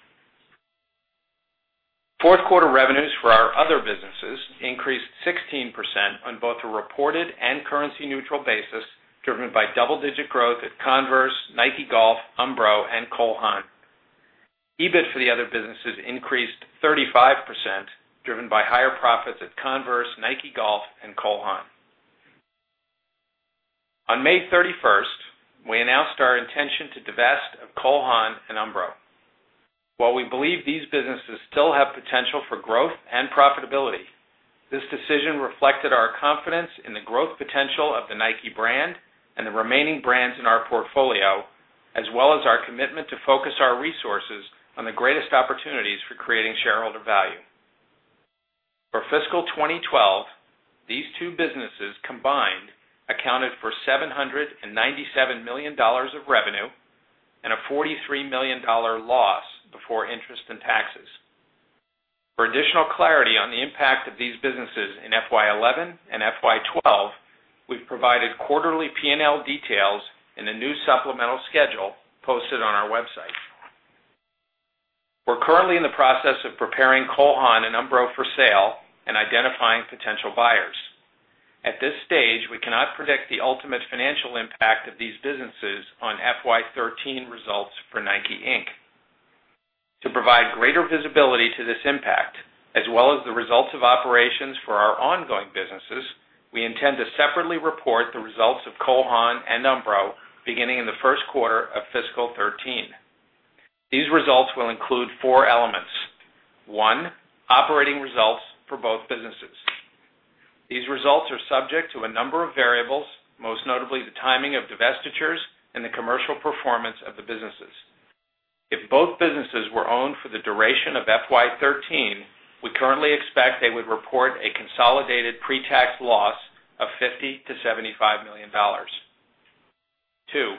Fourth quarter revenues for our other businesses increased 16% on both a reported and currency neutral basis, driven by double-digit growth at Converse, Nike Golf, Umbro, and Cole Haan. EBIT for the other businesses increased 35%, driven by higher profits at Converse, Nike Golf, and Cole Haan. On May 31st, we announced our intention to divest of Cole Haan and Umbro. While we believe these businesses still have potential for growth and profitability, this decision reflected our confidence in the growth potential of the Nike brand and the remaining brands in our portfolio, as well as our commitment to focus our resources on the greatest opportunities for creating shareholder value. For fiscal 2012, these two businesses combined accounted for $797 million of revenue and a $43 million loss before interest and taxes. For additional clarity on the impact of these businesses in FY11 and FY12, we've provided quarterly P&L details in a new supplemental schedule posted on our website. We're currently in the process of preparing Cole Haan and Umbro for sale and identifying potential buyers. At this stage, we cannot predict the ultimate financial impact of these businesses on FY13 results for Nike, Inc. To provide greater visibility to this impact, as well as the results of operations for our ongoing businesses, we intend to separately report the results of Cole Haan and Umbro beginning in the first quarter of fiscal 13. These results will include four elements. One, operating results for both businesses. These results are subject to a number of variables, most notably the timing of divestitures and the commercial performance of the businesses. If both businesses were owned for the duration of FY13, we currently expect they would report a consolidated pre-tax loss of $50 million-$75 million. Two,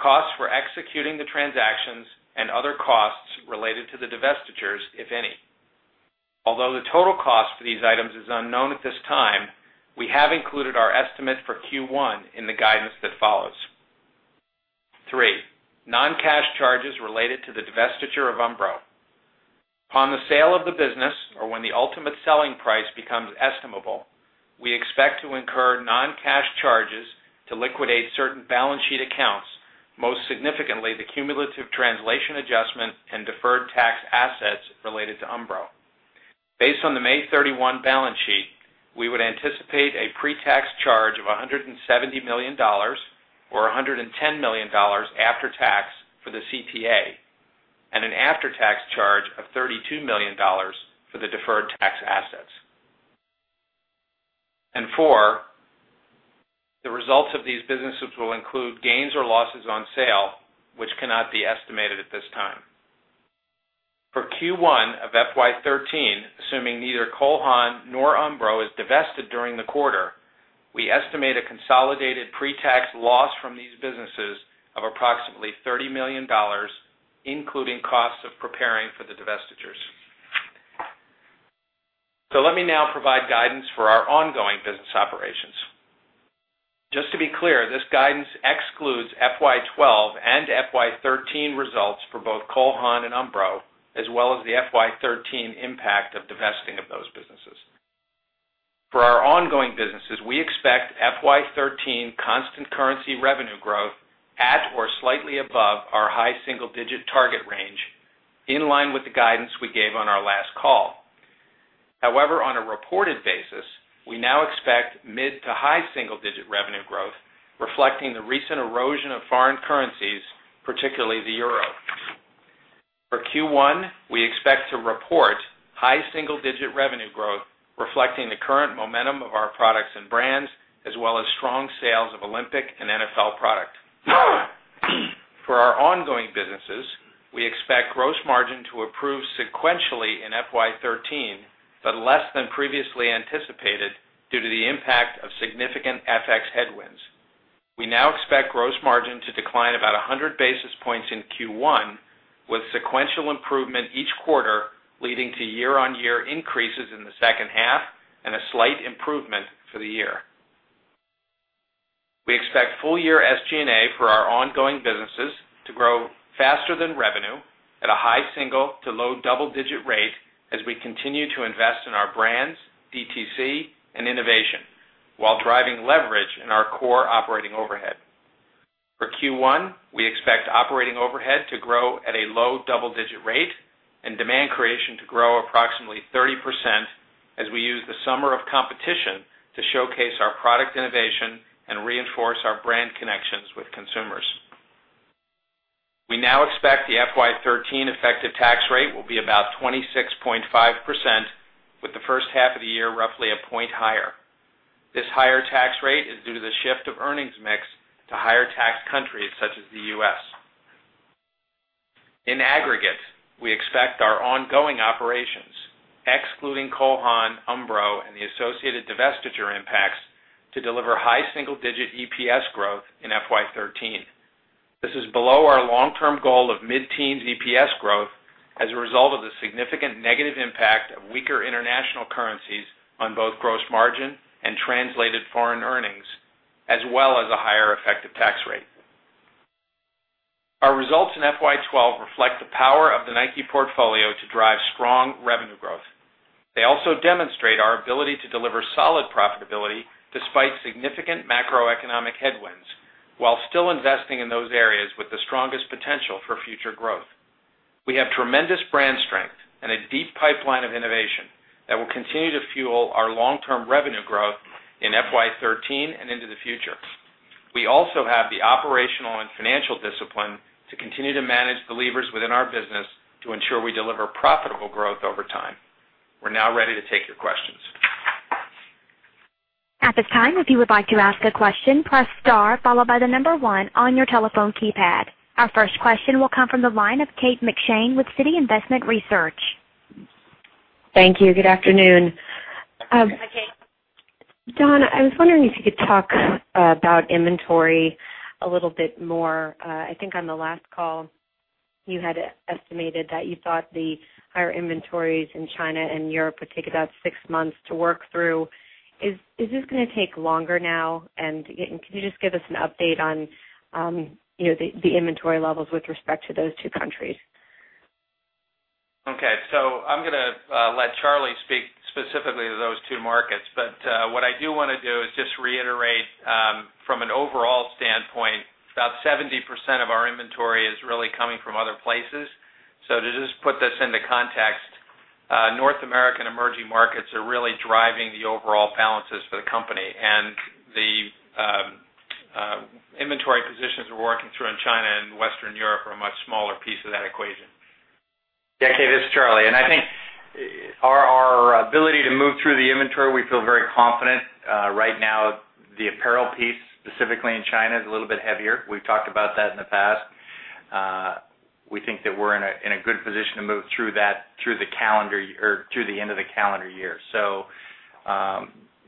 costs for executing the transactions and other costs related to the divestitures, if any. Although the total cost for these items is unknown at this time, we have included our estimate for Q1 in the guidance that follows. Three, non-cash charges related to the divestiture of Umbro. Upon the sale of the business, or when the ultimate selling price becomes estimable, we expect to incur non-cash charges to liquidate certain balance sheet accounts, most significantly, the cumulative translation adjustment and deferred tax assets related to Umbro. Based on the May 31 balance sheet, we would anticipate a pre-tax charge of $170 million or $110 million after tax for the CTA, and an after-tax charge of $32 million for the deferred tax assets. Four, the results of these businesses will include gains or losses on sale, which cannot be estimated at this time. For Q1 of FY 2013, assuming neither Cole Haan nor Umbro is divested during the quarter, we estimate a consolidated pre-tax loss from these businesses of approximately $30 million, including costs of preparing for the divestitures. Let me now provide guidance for our ongoing business operations. Just to be clear, this guidance excludes FY 2012 and FY 2013 results for both Cole Haan and Umbro, as well as the FY 2013 impact of divesting of those businesses. For our ongoing businesses, we expect FY 2013 constant currency revenue growth at or slightly above our high single digit target range, in line with the guidance we gave on our last call. However, on a reported basis, we now expect mid to high single digit revenue growth, reflecting the recent erosion of foreign currencies, particularly the euro. For Q1, we expect to report high single digit revenue growth, reflecting the current momentum of our products and brands, as well as strong sales of Olympic and NFL product. For our ongoing businesses, we expect gross margin to improve sequentially in FY 2013, but less than previously anticipated due to the impact of significant FX headwinds. We now expect gross margin to decline about 100 basis points in Q1, with sequential improvement each quarter, leading to year-on-year increases in the second half and a slight improvement for the year. We expect full year SG&A for our ongoing businesses to grow faster than revenue at a high single to low double-digit rate as we continue to invest in our brands, DTC, and innovation. While driving leverage in our core operating overhead. For Q1, we expect operating overhead to grow at a low double-digit rate and demand creation to grow approximately 30% as we use the summer of competition to showcase our product innovation and reinforce our brand connections with consumers. We now expect the FY 2013 effective tax rate will be about 26.5%, with the first half of the year roughly a point higher. This higher tax rate is due to the shift of earnings mix to higher tax countries such as the U.S. In aggregate, we expect our ongoing operations, excluding Cole Haan, Umbro, and the associated divestiture impacts, to deliver high single-digit EPS growth in FY 2013. This is below our long-term goal of mid-teens EPS growth as a result of the significant negative impact of weaker international currencies on both gross margin and translated foreign earnings, as well as a higher effective tax rate. Our results in FY 2012 reflect the power of the Nike portfolio to drive strong revenue growth. They also demonstrate our ability to deliver solid profitability despite significant macroeconomic headwinds, while still investing in those areas with the strongest potential for future growth. We have tremendous brand strength and a deep pipeline of innovation that will continue to fuel our long-term revenue growth in FY 2013 and into the future. We also have the operational and financial discipline to continue to manage the levers within our business to ensure we deliver profitable growth over time. We're now ready to take your questions. At this time, if you would like to ask a question, press star followed by the number one on your telephone keypad. Our first question will come from the line of Kate McShane with Citi Investment Research. Thank you. Good afternoon. Hi, Kate. Don, I was wondering if you could talk about inventory a little bit more. I think on the last call, you had estimated that you thought the higher inventories in China and Europe would take about six months to work through. Is this going to take longer now? Can you just give us an update on the inventory levels with respect to those two countries? Okay. I'm going to let Charlie speak specifically to those two markets. What I do want to do is just reiterate, from an overall standpoint, about 70% of our inventory is really coming from other places. To just put this into context, North American emerging markets are really driving the overall balances for the company. The inventory positions we're working through in China and Western Europe are a much smaller piece of that equation. Yeah, Kate, this is Charlie. I think our ability to move through the inventory, we feel very confident. Right now, the apparel piece, specifically in China, is a little bit heavier. We've talked about that in the past. We think that we're in a good position to move through the end of the calendar year.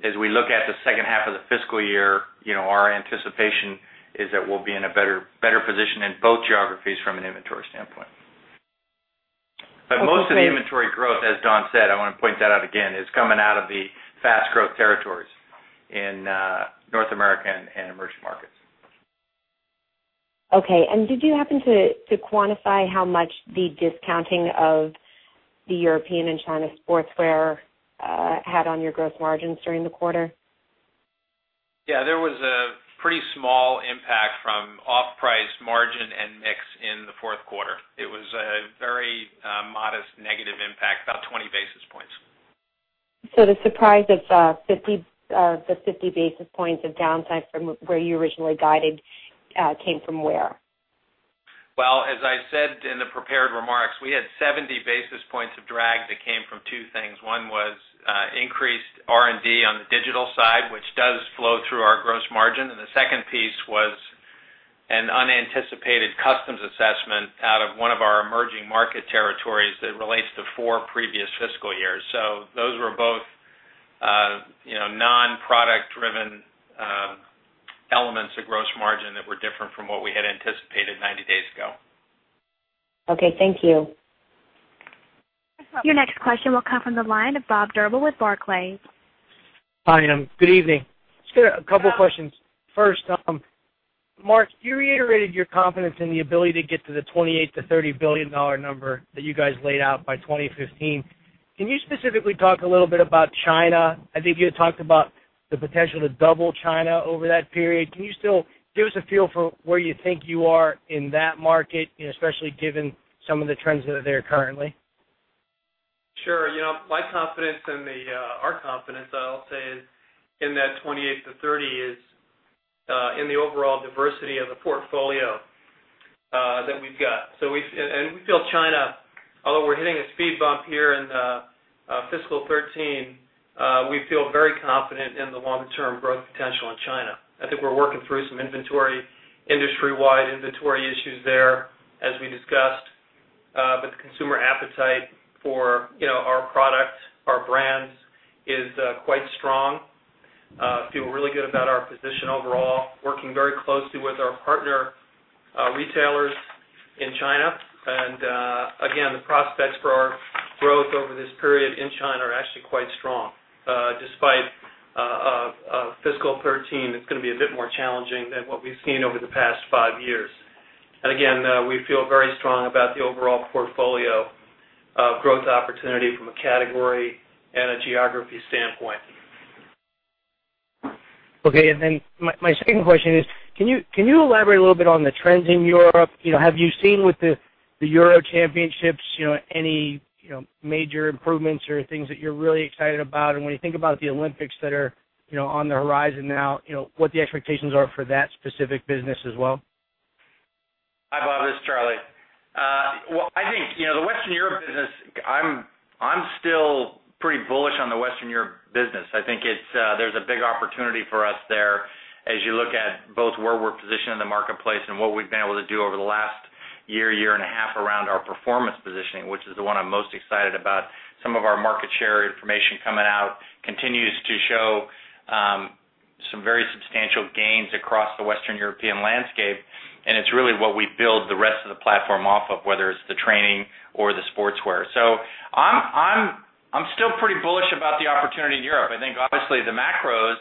As we look at the second half of the fiscal year, our anticipation is that we'll be in a better position in both geographies from an inventory standpoint. Most of the inventory growth, as Don said, I want to point that out again, is coming out of the fast growth territories in North America and emerging markets. Okay. Did you happen to quantify how much the discounting of the European and China sportswear had on your gross margins during the quarter? Yeah, there was a pretty small impact from off-price margin and mix in the fourth quarter. It was a very modest negative impact, about 20 basis points. The surprise of the 50 basis points of downside from where you originally guided came from where? Well, as I said in the prepared remarks, we had 70 basis points of drag that came from two things. One was increased R&D on the digital side, which does flow through our gross margin. The second piece was an unanticipated customs assessment out of one of our emerging market territories that relates to four previous fiscal years. Those were both non-product driven elements of gross margin that were different from what we had anticipated 90 days ago. Okay. Thank you. Your next question will come from the line of Robert Drbul with Barclays. Hi. Good evening. I just got a couple questions. First, Mark, you reiterated your confidence in the ability to get to the $28 billion-$30 billion number that you guys laid out by 2015. Can you specifically talk a little bit about China? I think you had talked about the potential to double China over that period. Can you still give us a feel for where you think you are in that market, especially given some of the trends that are there currently? Sure. My confidence and our confidence, I'll say, in that $28 billion-$30 billion is in the overall diversity of the portfolio that we've got. We feel China, although we're hitting a speed bump here in FY 2013, we feel very confident in the long-term growth potential in China. I think we're working through some industry-wide inventory issues there, as we discussed, but the consumer appetite for our product, our brands, is quite strong. Feel really good about our position overall, working very closely with our partner retailers in China. Again, the prospects for our growth over this period in China are actually quite strong. Despite FY 2013, it's going to be a bit more challenging than what we've seen over the past five years. Again, we feel very strong about the overall portfolio growth opportunity from a category and a geography standpoint. Okay, my second question is, can you elaborate a little bit on the trends in Europe? Have you seen with the Euros Championships any major improvements or things that you're really excited about? When you think about the Olympics that are on the horizon now, what the expectations are for that specific business as well. Hi, Bob, this is Charlie. The Western Europe business, I'm still pretty bullish on the Western Europe business. I think there's a big opportunity for us there as you look at both where we're positioned in the marketplace and what we've been able to do over the last year and a half around our performance positioning, which is the one I'm most excited about. Some of our market share information coming out continues to show some very substantial gains across the Western European landscape, and it's really what we build the rest of the platform off of, whether it's the training or the sportswear. I'm still pretty bullish about the opportunity in Europe. I think obviously the macros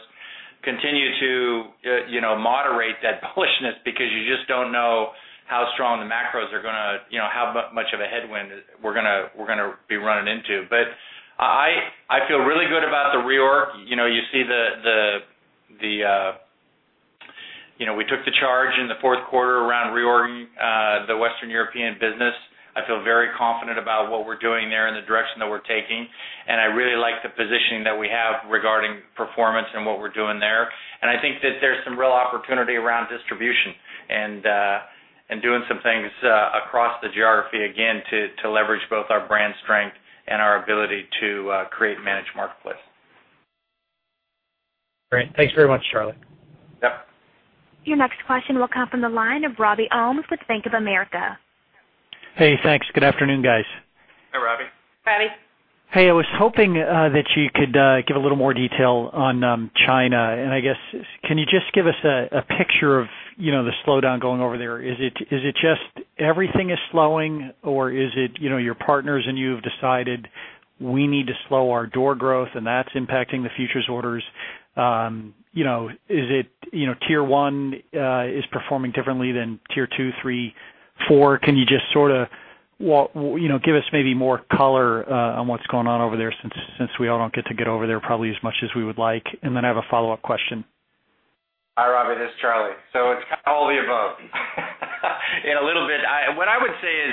continue to moderate that bullishness because you just don't know how much of a headwind we're going to be running into. I feel really good about the reorg. We took the charge in the fourth quarter around reorging the Western European business. I feel very confident about what we're doing there and the direction that we're taking, and I really like the positioning that we have regarding performance and what we're doing there. I think that there's some real opportunity around distribution and doing some things across the geography, again, to leverage both our brand strength and our ability to create and manage marketplace. Great. Thanks very much, Charlie. Yep. Your next question will come from the line of Robert Ohmes with Bank of America. Hey, thanks. Good afternoon, guys. Hi, Robbie. Robbie. Hey, I was hoping that you could give a little more detail on China. I guess, can you just give us a picture of the slowdown going over there? Is it just everything is slowing or is it your partners and you have decided we need to slow our door growth, and that's impacting the futures orders? Is it tier 1 is performing differently than tier 2, 3, 4? Can you just sort of give us maybe more color on what's going on over there since we all don't get to get over there probably as much as we would like? I have a follow-up question. Hi, Robbie, this is Charlie. It's all of the above in a little bit. What I would say is,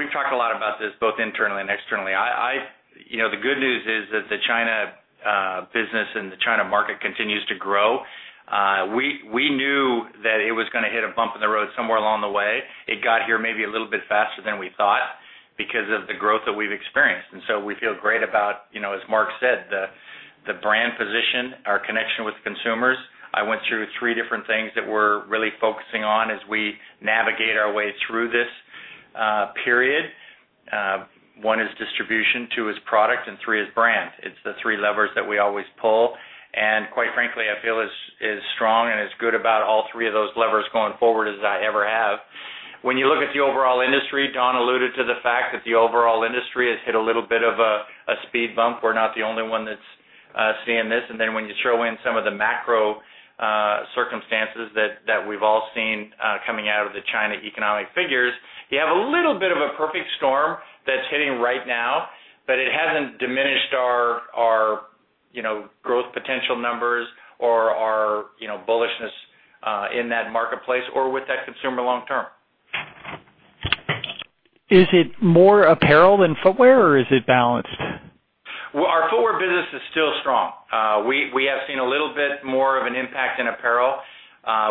we've talked a lot about this both internally and externally. The good news is that the China business and the China market continues to grow. We knew that it was going to hit a bump in the road somewhere along the way. It got here maybe a little bit faster than we thought because of the growth that we've experienced. We feel great about, as Mark said, the brand position, our connection with consumers. I went through three different things that we're really focusing on as we navigate our way through this period. One is distribution, two is product, and three is brand. It's the three levers that we always pull. Quite frankly, I feel as strong and as good about all three of those levers going forward as I ever have. When you look at the overall industry, Don alluded to the fact that the overall industry has hit a little bit of a speed bump. We're not the only one that's seeing this. When you throw in some of the macro circumstances that we've all seen coming out of the China economic figures, you have a little bit of a perfect storm that's hitting right now. It hasn't diminished our growth potential numbers or our bullishness in that marketplace or with that consumer long term. Is it more apparel than footwear, or is it balanced? Well, our footwear business is still strong. We have seen a little bit more of an impact in apparel.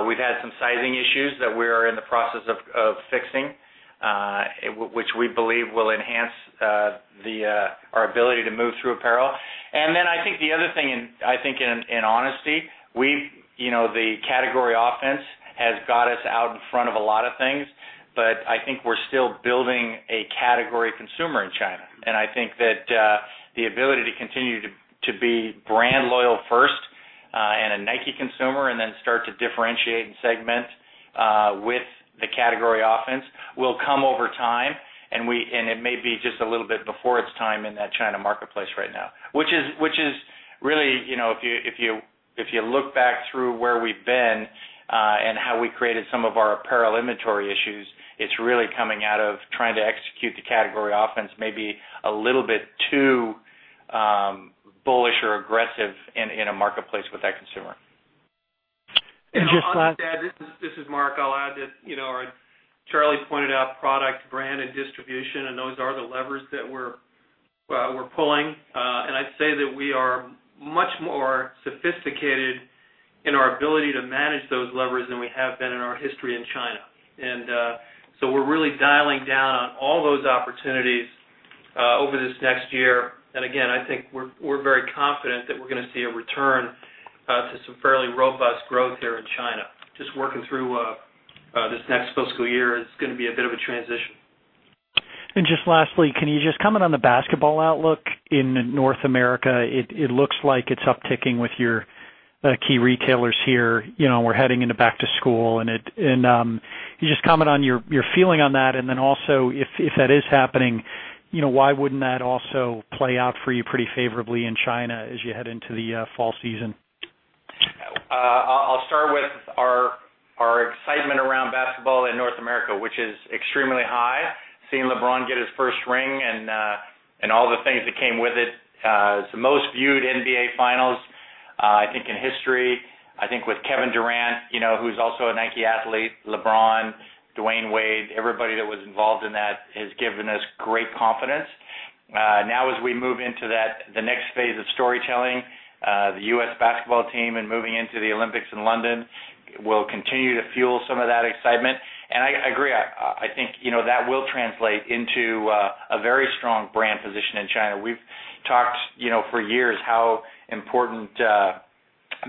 We've had some sizing issues that we're in the process of fixing, which we believe will enhance our ability to move through apparel. I think the other thing, I think in honesty, the category offense has got us out in front of a lot of things. I think we're still building a category consumer in China. I think that the ability to continue to be brand loyal first and a Nike consumer, then start to differentiate and segment with the category offense will come over time. It may be just a little bit before its time in that China marketplace right now, which is really, if you look back through where we've been and how we created some of our apparel inventory issues, it's really coming out of trying to execute the category offense, maybe a little bit too bullish or aggressive in a marketplace with that consumer. And just last- This is Mark. I'll add that, as Charlie Denson pointed out, product, brand, and distribution, those are the levers that we're pulling. I'd say that we are much more sophisticated in our ability to manage those levers than we have been in our history in China. We're really dialing down on all those opportunities over this next year. Again, I think we're very confident that we're going to see a return to some fairly robust growth here in China. Just working through this next fiscal year is going to be a bit of a transition. Just lastly, can you just comment on the basketball outlook in North America? It looks like it's upticking with your key retailers here. We're heading into back to school, can you just comment on your feeling on that? Also, if that is happening, why wouldn't that also play out for you pretty favorably in China as you head into the fall season? I'll start with our excitement around basketball in North America, which is extremely high. Seeing LeBron get his first ring and all the things that came with it. It's the most viewed NBA finals, I think in history. I think with Kevin Durant, who's also a Nike athlete, LeBron, Dwyane Wade, everybody that was involved in that has given us great confidence. Now as we move into the next phase of storytelling, the U.S. basketball team and moving into the Olympics in London will continue to fuel some of that excitement. I agree, I think that will translate into a very strong brand position in China. We've talked for years how important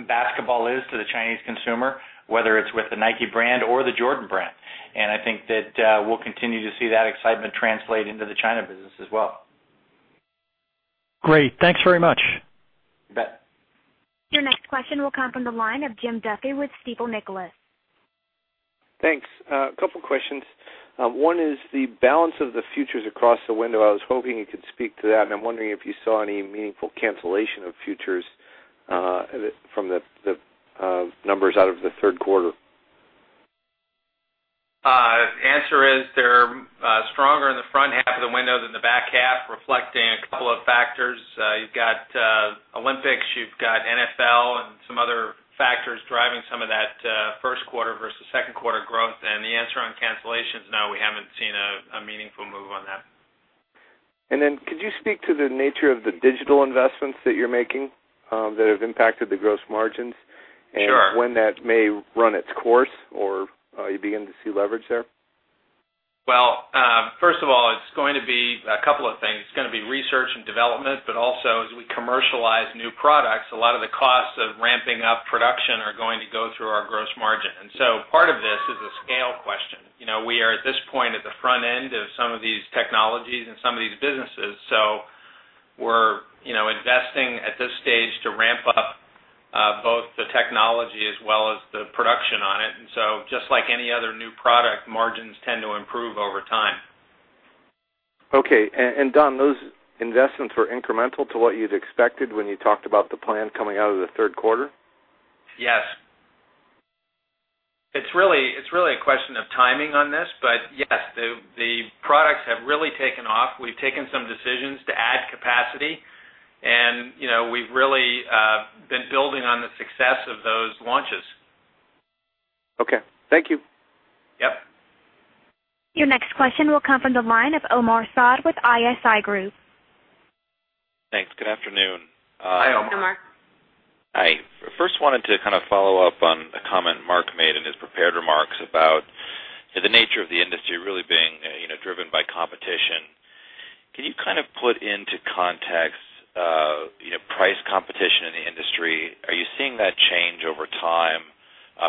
basketball is to the Chinese consumer, whether it's with the Nike brand or the Jordan Brand. I think that we'll continue to see that excitement translate into the China business as well. Great. Thanks very much. You bet. Your next question will come from the line of Jim Duffy with Stifel Nicolaus. Thanks. A couple questions. One is the balance of the futures across the window. I was hoping you could speak to that, and I'm wondering if you saw any meaningful cancellation of futures from the numbers out of the third quarter. Answer is, they're stronger in the front half of the window than the back half, reflecting a couple of factors. You've got Olympics, you've got NFL and some other factors driving some of that first quarter versus second quarter growth. The answer on cancellations, no, we haven't seen a meaningful move on that. Could you speak to the nature of the digital investments that you're making that have impacted the gross margins? Sure. When that may run its course, or are you beginning to see leverage there? Well, first of all, it's going to be a couple of things. It's going to be research and development, but also as we commercialize new products, a lot of the costs of ramping up production are going to go through our gross margin. Part of this is a scale question. We are at this point, at the front end of some of these technologies and some of these businesses. We're investing at this stage to ramp up both the technology as well as the production on it. Just like any other new product, margins tend to improve over time. Don, those investments were incremental to what you'd expected when you talked about the plan coming out of the third quarter? Yes. It's really a question of timing on this, but yes, the products have really taken off. We've taken some decisions to add capacity, and we've really been building on the success of those launches. Okay. Thank you. Yep. Your next question will come from the line of Omar Saad with ISI Group. Thanks. Good afternoon. Hi, Omar. Hi. I wanted to follow up on a comment Mark made in his prepared remarks about the nature of the industry really being driven by competition. Can you put into context price competition in the industry? Are you seeing that change over time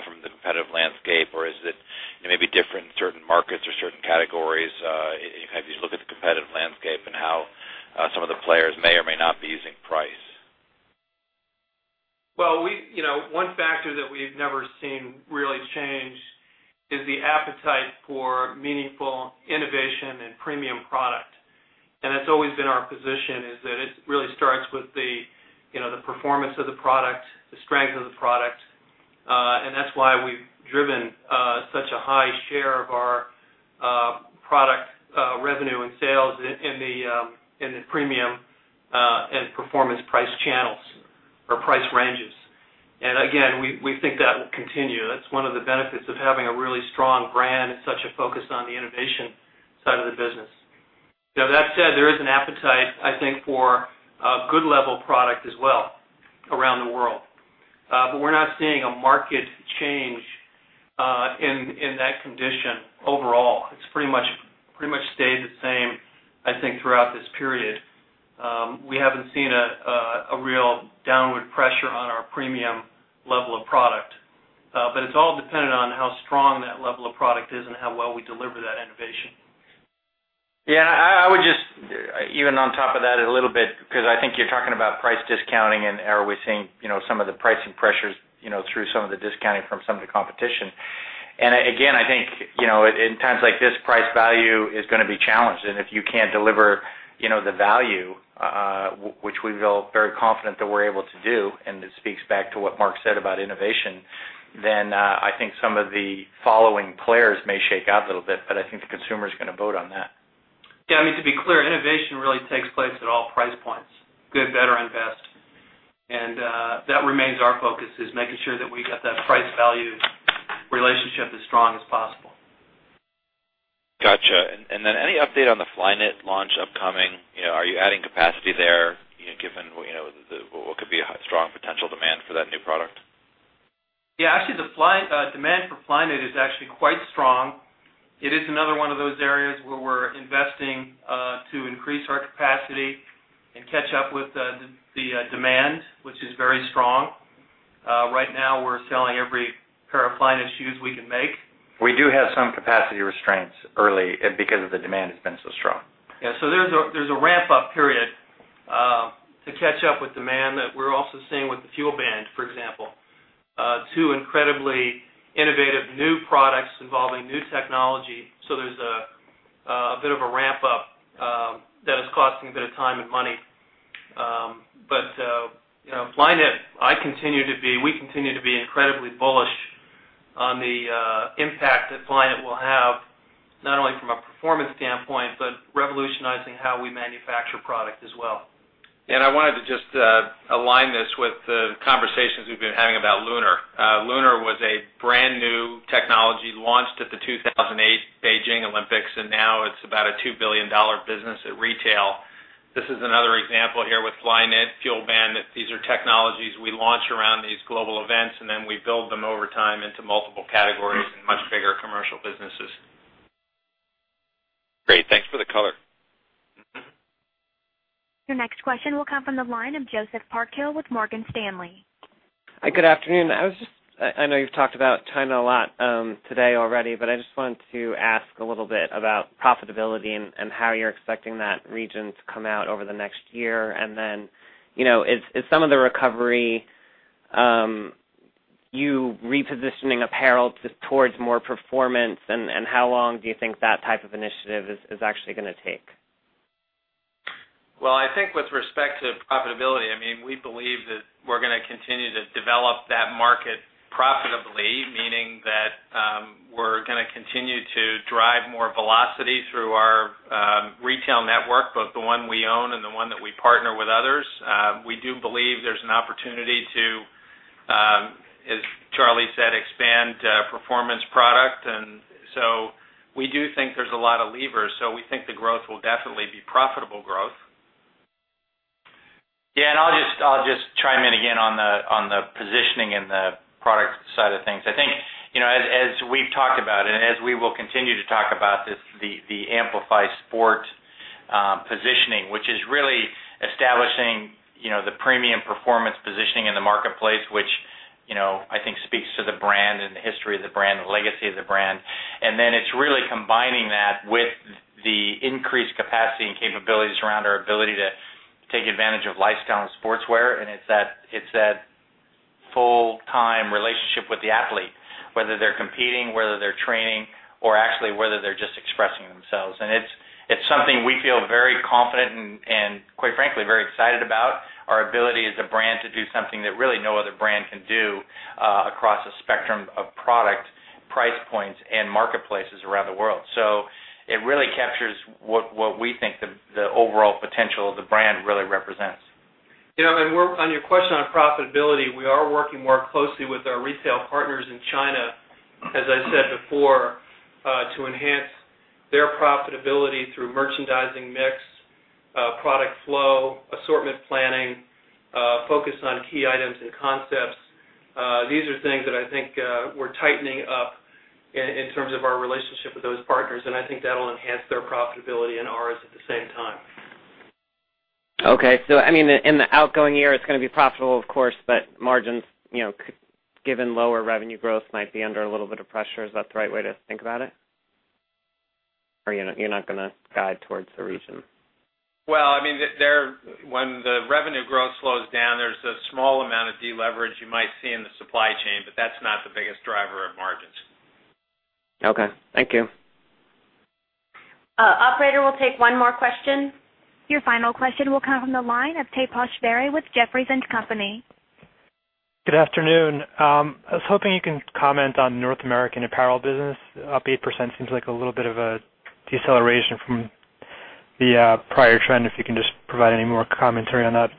from the competitive landscape, or is it maybe different in certain markets or certain categories as you look at the competitive landscape and how some of the players may or may not be using price? Well, one factor that we've never seen really change is the appetite for meaningful innovation and premium product. It's always been our position, is that it really starts with the performance of the product, the strength of the product. That's why we've driven such a high share of our product revenue and sales in the premium and performance price channels or price ranges. Again, we think that will continue. That's one of the benefits of having a really strong brand and such a focus on the innovation side of the business. Now, that said, there is an appetite, I think, for a good level product as well around the world. We're not seeing a market change in that condition overall. It's pretty much stayed the same, I think, throughout this period. We haven't seen a real downward pressure on our premium level of product. It's all dependent on how strong that level of product is and how well we deliver that innovation. Yeah, I would just Even on top of that a little bit, because I think you're talking about price discounting and are we seeing some of the pricing pressures through some of the discounting from some of the competition. Again, I think, in times like this, price value is going to be challenged. If you can't deliver the value, which we feel very confident that we're able to do, and this speaks back to what Mark said about innovation, then I think some of the following players may shake out a little bit, but I think the consumer is going to vote on that. Yeah, to be clear, innovation really takes place at all price points, good, better, and best. That remains our focus, is making sure that we get that price value relationship as strong as possible. Got you. Then any update on the Flyknit launch upcoming? Are you adding capacity there, given what could be a strong potential demand for that new product? Actually, demand for Flyknit is actually quite strong. It is another one of those areas where we're investing to increase our capacity and catch up with the demand, which is very strong. Right now, we're selling every pair of Flyknit shoes we can make. We do have some capacity restraints early because the demand has been so strong. There's a ramp-up period to catch up with demand that we're also seeing with the FuelBand, for example. Two incredibly innovative new products involving new technology. There's a bit of a ramp up. of time and money. Flyknit, we continue to be incredibly bullish on the impact that Flyknit will have, not only from a performance standpoint, but revolutionizing how we manufacture product as well. I wanted to just align this with the conversations we've been having about Lunar. Lunar was a brand-new technology launched at the 2008 Beijing Olympics, and now it's about a $2 billion business at retail. This is another example here with Flyknit, FuelBand, that these are technologies we launch around these global events, and then we build them over time into multiple categories and much bigger commercial businesses. Great. Thanks for the color. Your next question will come from the line of Joseph Parkhill with Morgan Stanley. Hi, good afternoon. I know you've talked about China a lot today already, I just wanted to ask a little bit about profitability and how you're expecting that region to come out over the next year. Then, is some of the recovery you repositioning apparel towards more performance? How long do you think that type of initiative is actually going to take? Well, I think with respect to profitability, we believe that we're going to continue to develop that market profitably, meaning that we're going to continue to drive more velocity through our retail network, both the one we own and the one that we partner with others. We do believe there's an opportunity to, as Charlie said, expand performance product. We do think there's a lot of levers. We think the growth will definitely be profitable growth. Yeah, I'll just chime in again on the positioning and the product side of things. I think, as we've talked about and as we will continue to talk about, the Amplify Sport positioning, which is really establishing the premium performance positioning in the marketplace, which I think speaks to the brand and the history of the brand, the legacy of the brand. Then it's really combining that with the increased capacity and capabilities around our ability to take advantage of lifestyle and sportswear. It's that full-time relationship with the athlete, whether they're competing, whether they're training, or actually whether they're just expressing themselves. It's something we feel very confident and, quite frankly, very excited about, our ability as a brand to do something that really no other brand can do across a spectrum of product, price points, and marketplaces around the world. It really captures what we think the overall potential of the brand really represents. On your question on profitability, we are working more closely with our retail partners in China, as I said before, to enhance their profitability through merchandising mix, product flow, assortment planning, focus on key items and concepts. These are things that I think we're tightening up in terms of our relationship with those partners, and I think that'll enhance their profitability and ours at the same time. Okay. In the outgoing year, it's going to be profitable, of course, but margins, given lower revenue growth, might be under a little bit of pressure. Is that the right way to think about it? Or you're not going to guide towards the region? When the revenue growth slows down, there's a small amount of deleverage you might see in the supply chain, but that's not the biggest driver of margins. Okay. Thank you. Operator, we'll take one more question. Your final question will come from the line of Taposh Bari with Jefferies & Company. Good afternoon. I was hoping you can comment on North American apparel business. Up 8% seems like a little bit of a deceleration from the prior trend, if you can just provide any more commentary on that.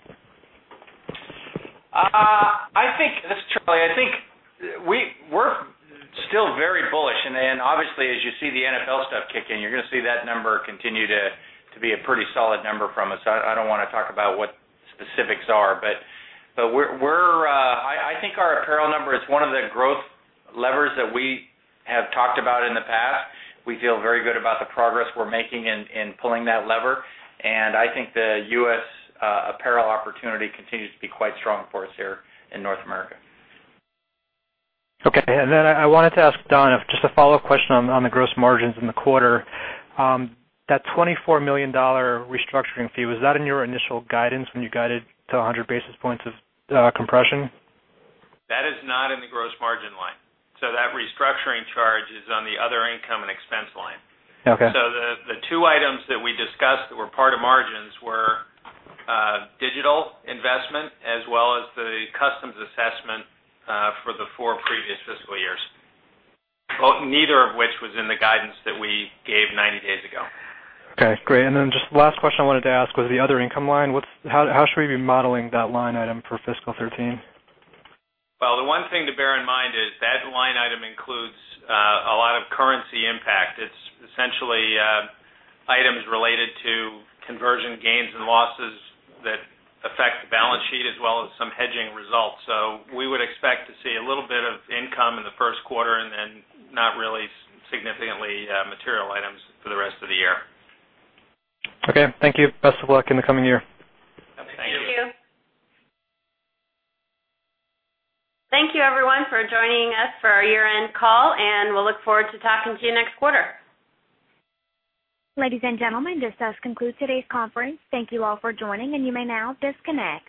This is Charlie. I think we're still very bullish. Obviously, as you see the NFL stuff kick in, you're going to see that number continue to be a pretty solid number from us. I don't want to talk about what the specifics are, I think our apparel number is one of the growth levers that we have talked about in the past. We feel very good about the progress we're making in pulling that lever, I think the U.S. apparel opportunity continues to be quite strong for us here in North America. Okay. I wanted to ask Don just a follow-up question on the gross margins in the quarter. That $24 million restructuring fee, was that in your initial guidance when you guided to 100 basis points of compression? That is not in the gross margin line. That restructuring charge is on the other income and expense line. Okay. The two items that we discussed that were part of margins were digital investment as well as the customs assessment for the four previous fiscal years. Neither of which was in the guidance that we gave 90 days ago. Okay, great. Just the last question I wanted to ask was the other income line. How should we be modeling that line item for FY 2013? Well, the one thing to bear in mind is that line item includes a lot of currency impact. It's essentially items related to conversion gains and losses that affect the balance sheet as well as some hedging results. We would expect to see a little bit of income in the first quarter and then not really significantly material items for the rest of the year. Okay. Thank you. Best of luck in the coming year. Thank you. Thank you. Thank you, everyone, for joining us for our year-end call, and we'll look forward to talking to you next quarter. Ladies and gentlemen, this does conclude today's conference. Thank you all for joining, and you may now disconnect.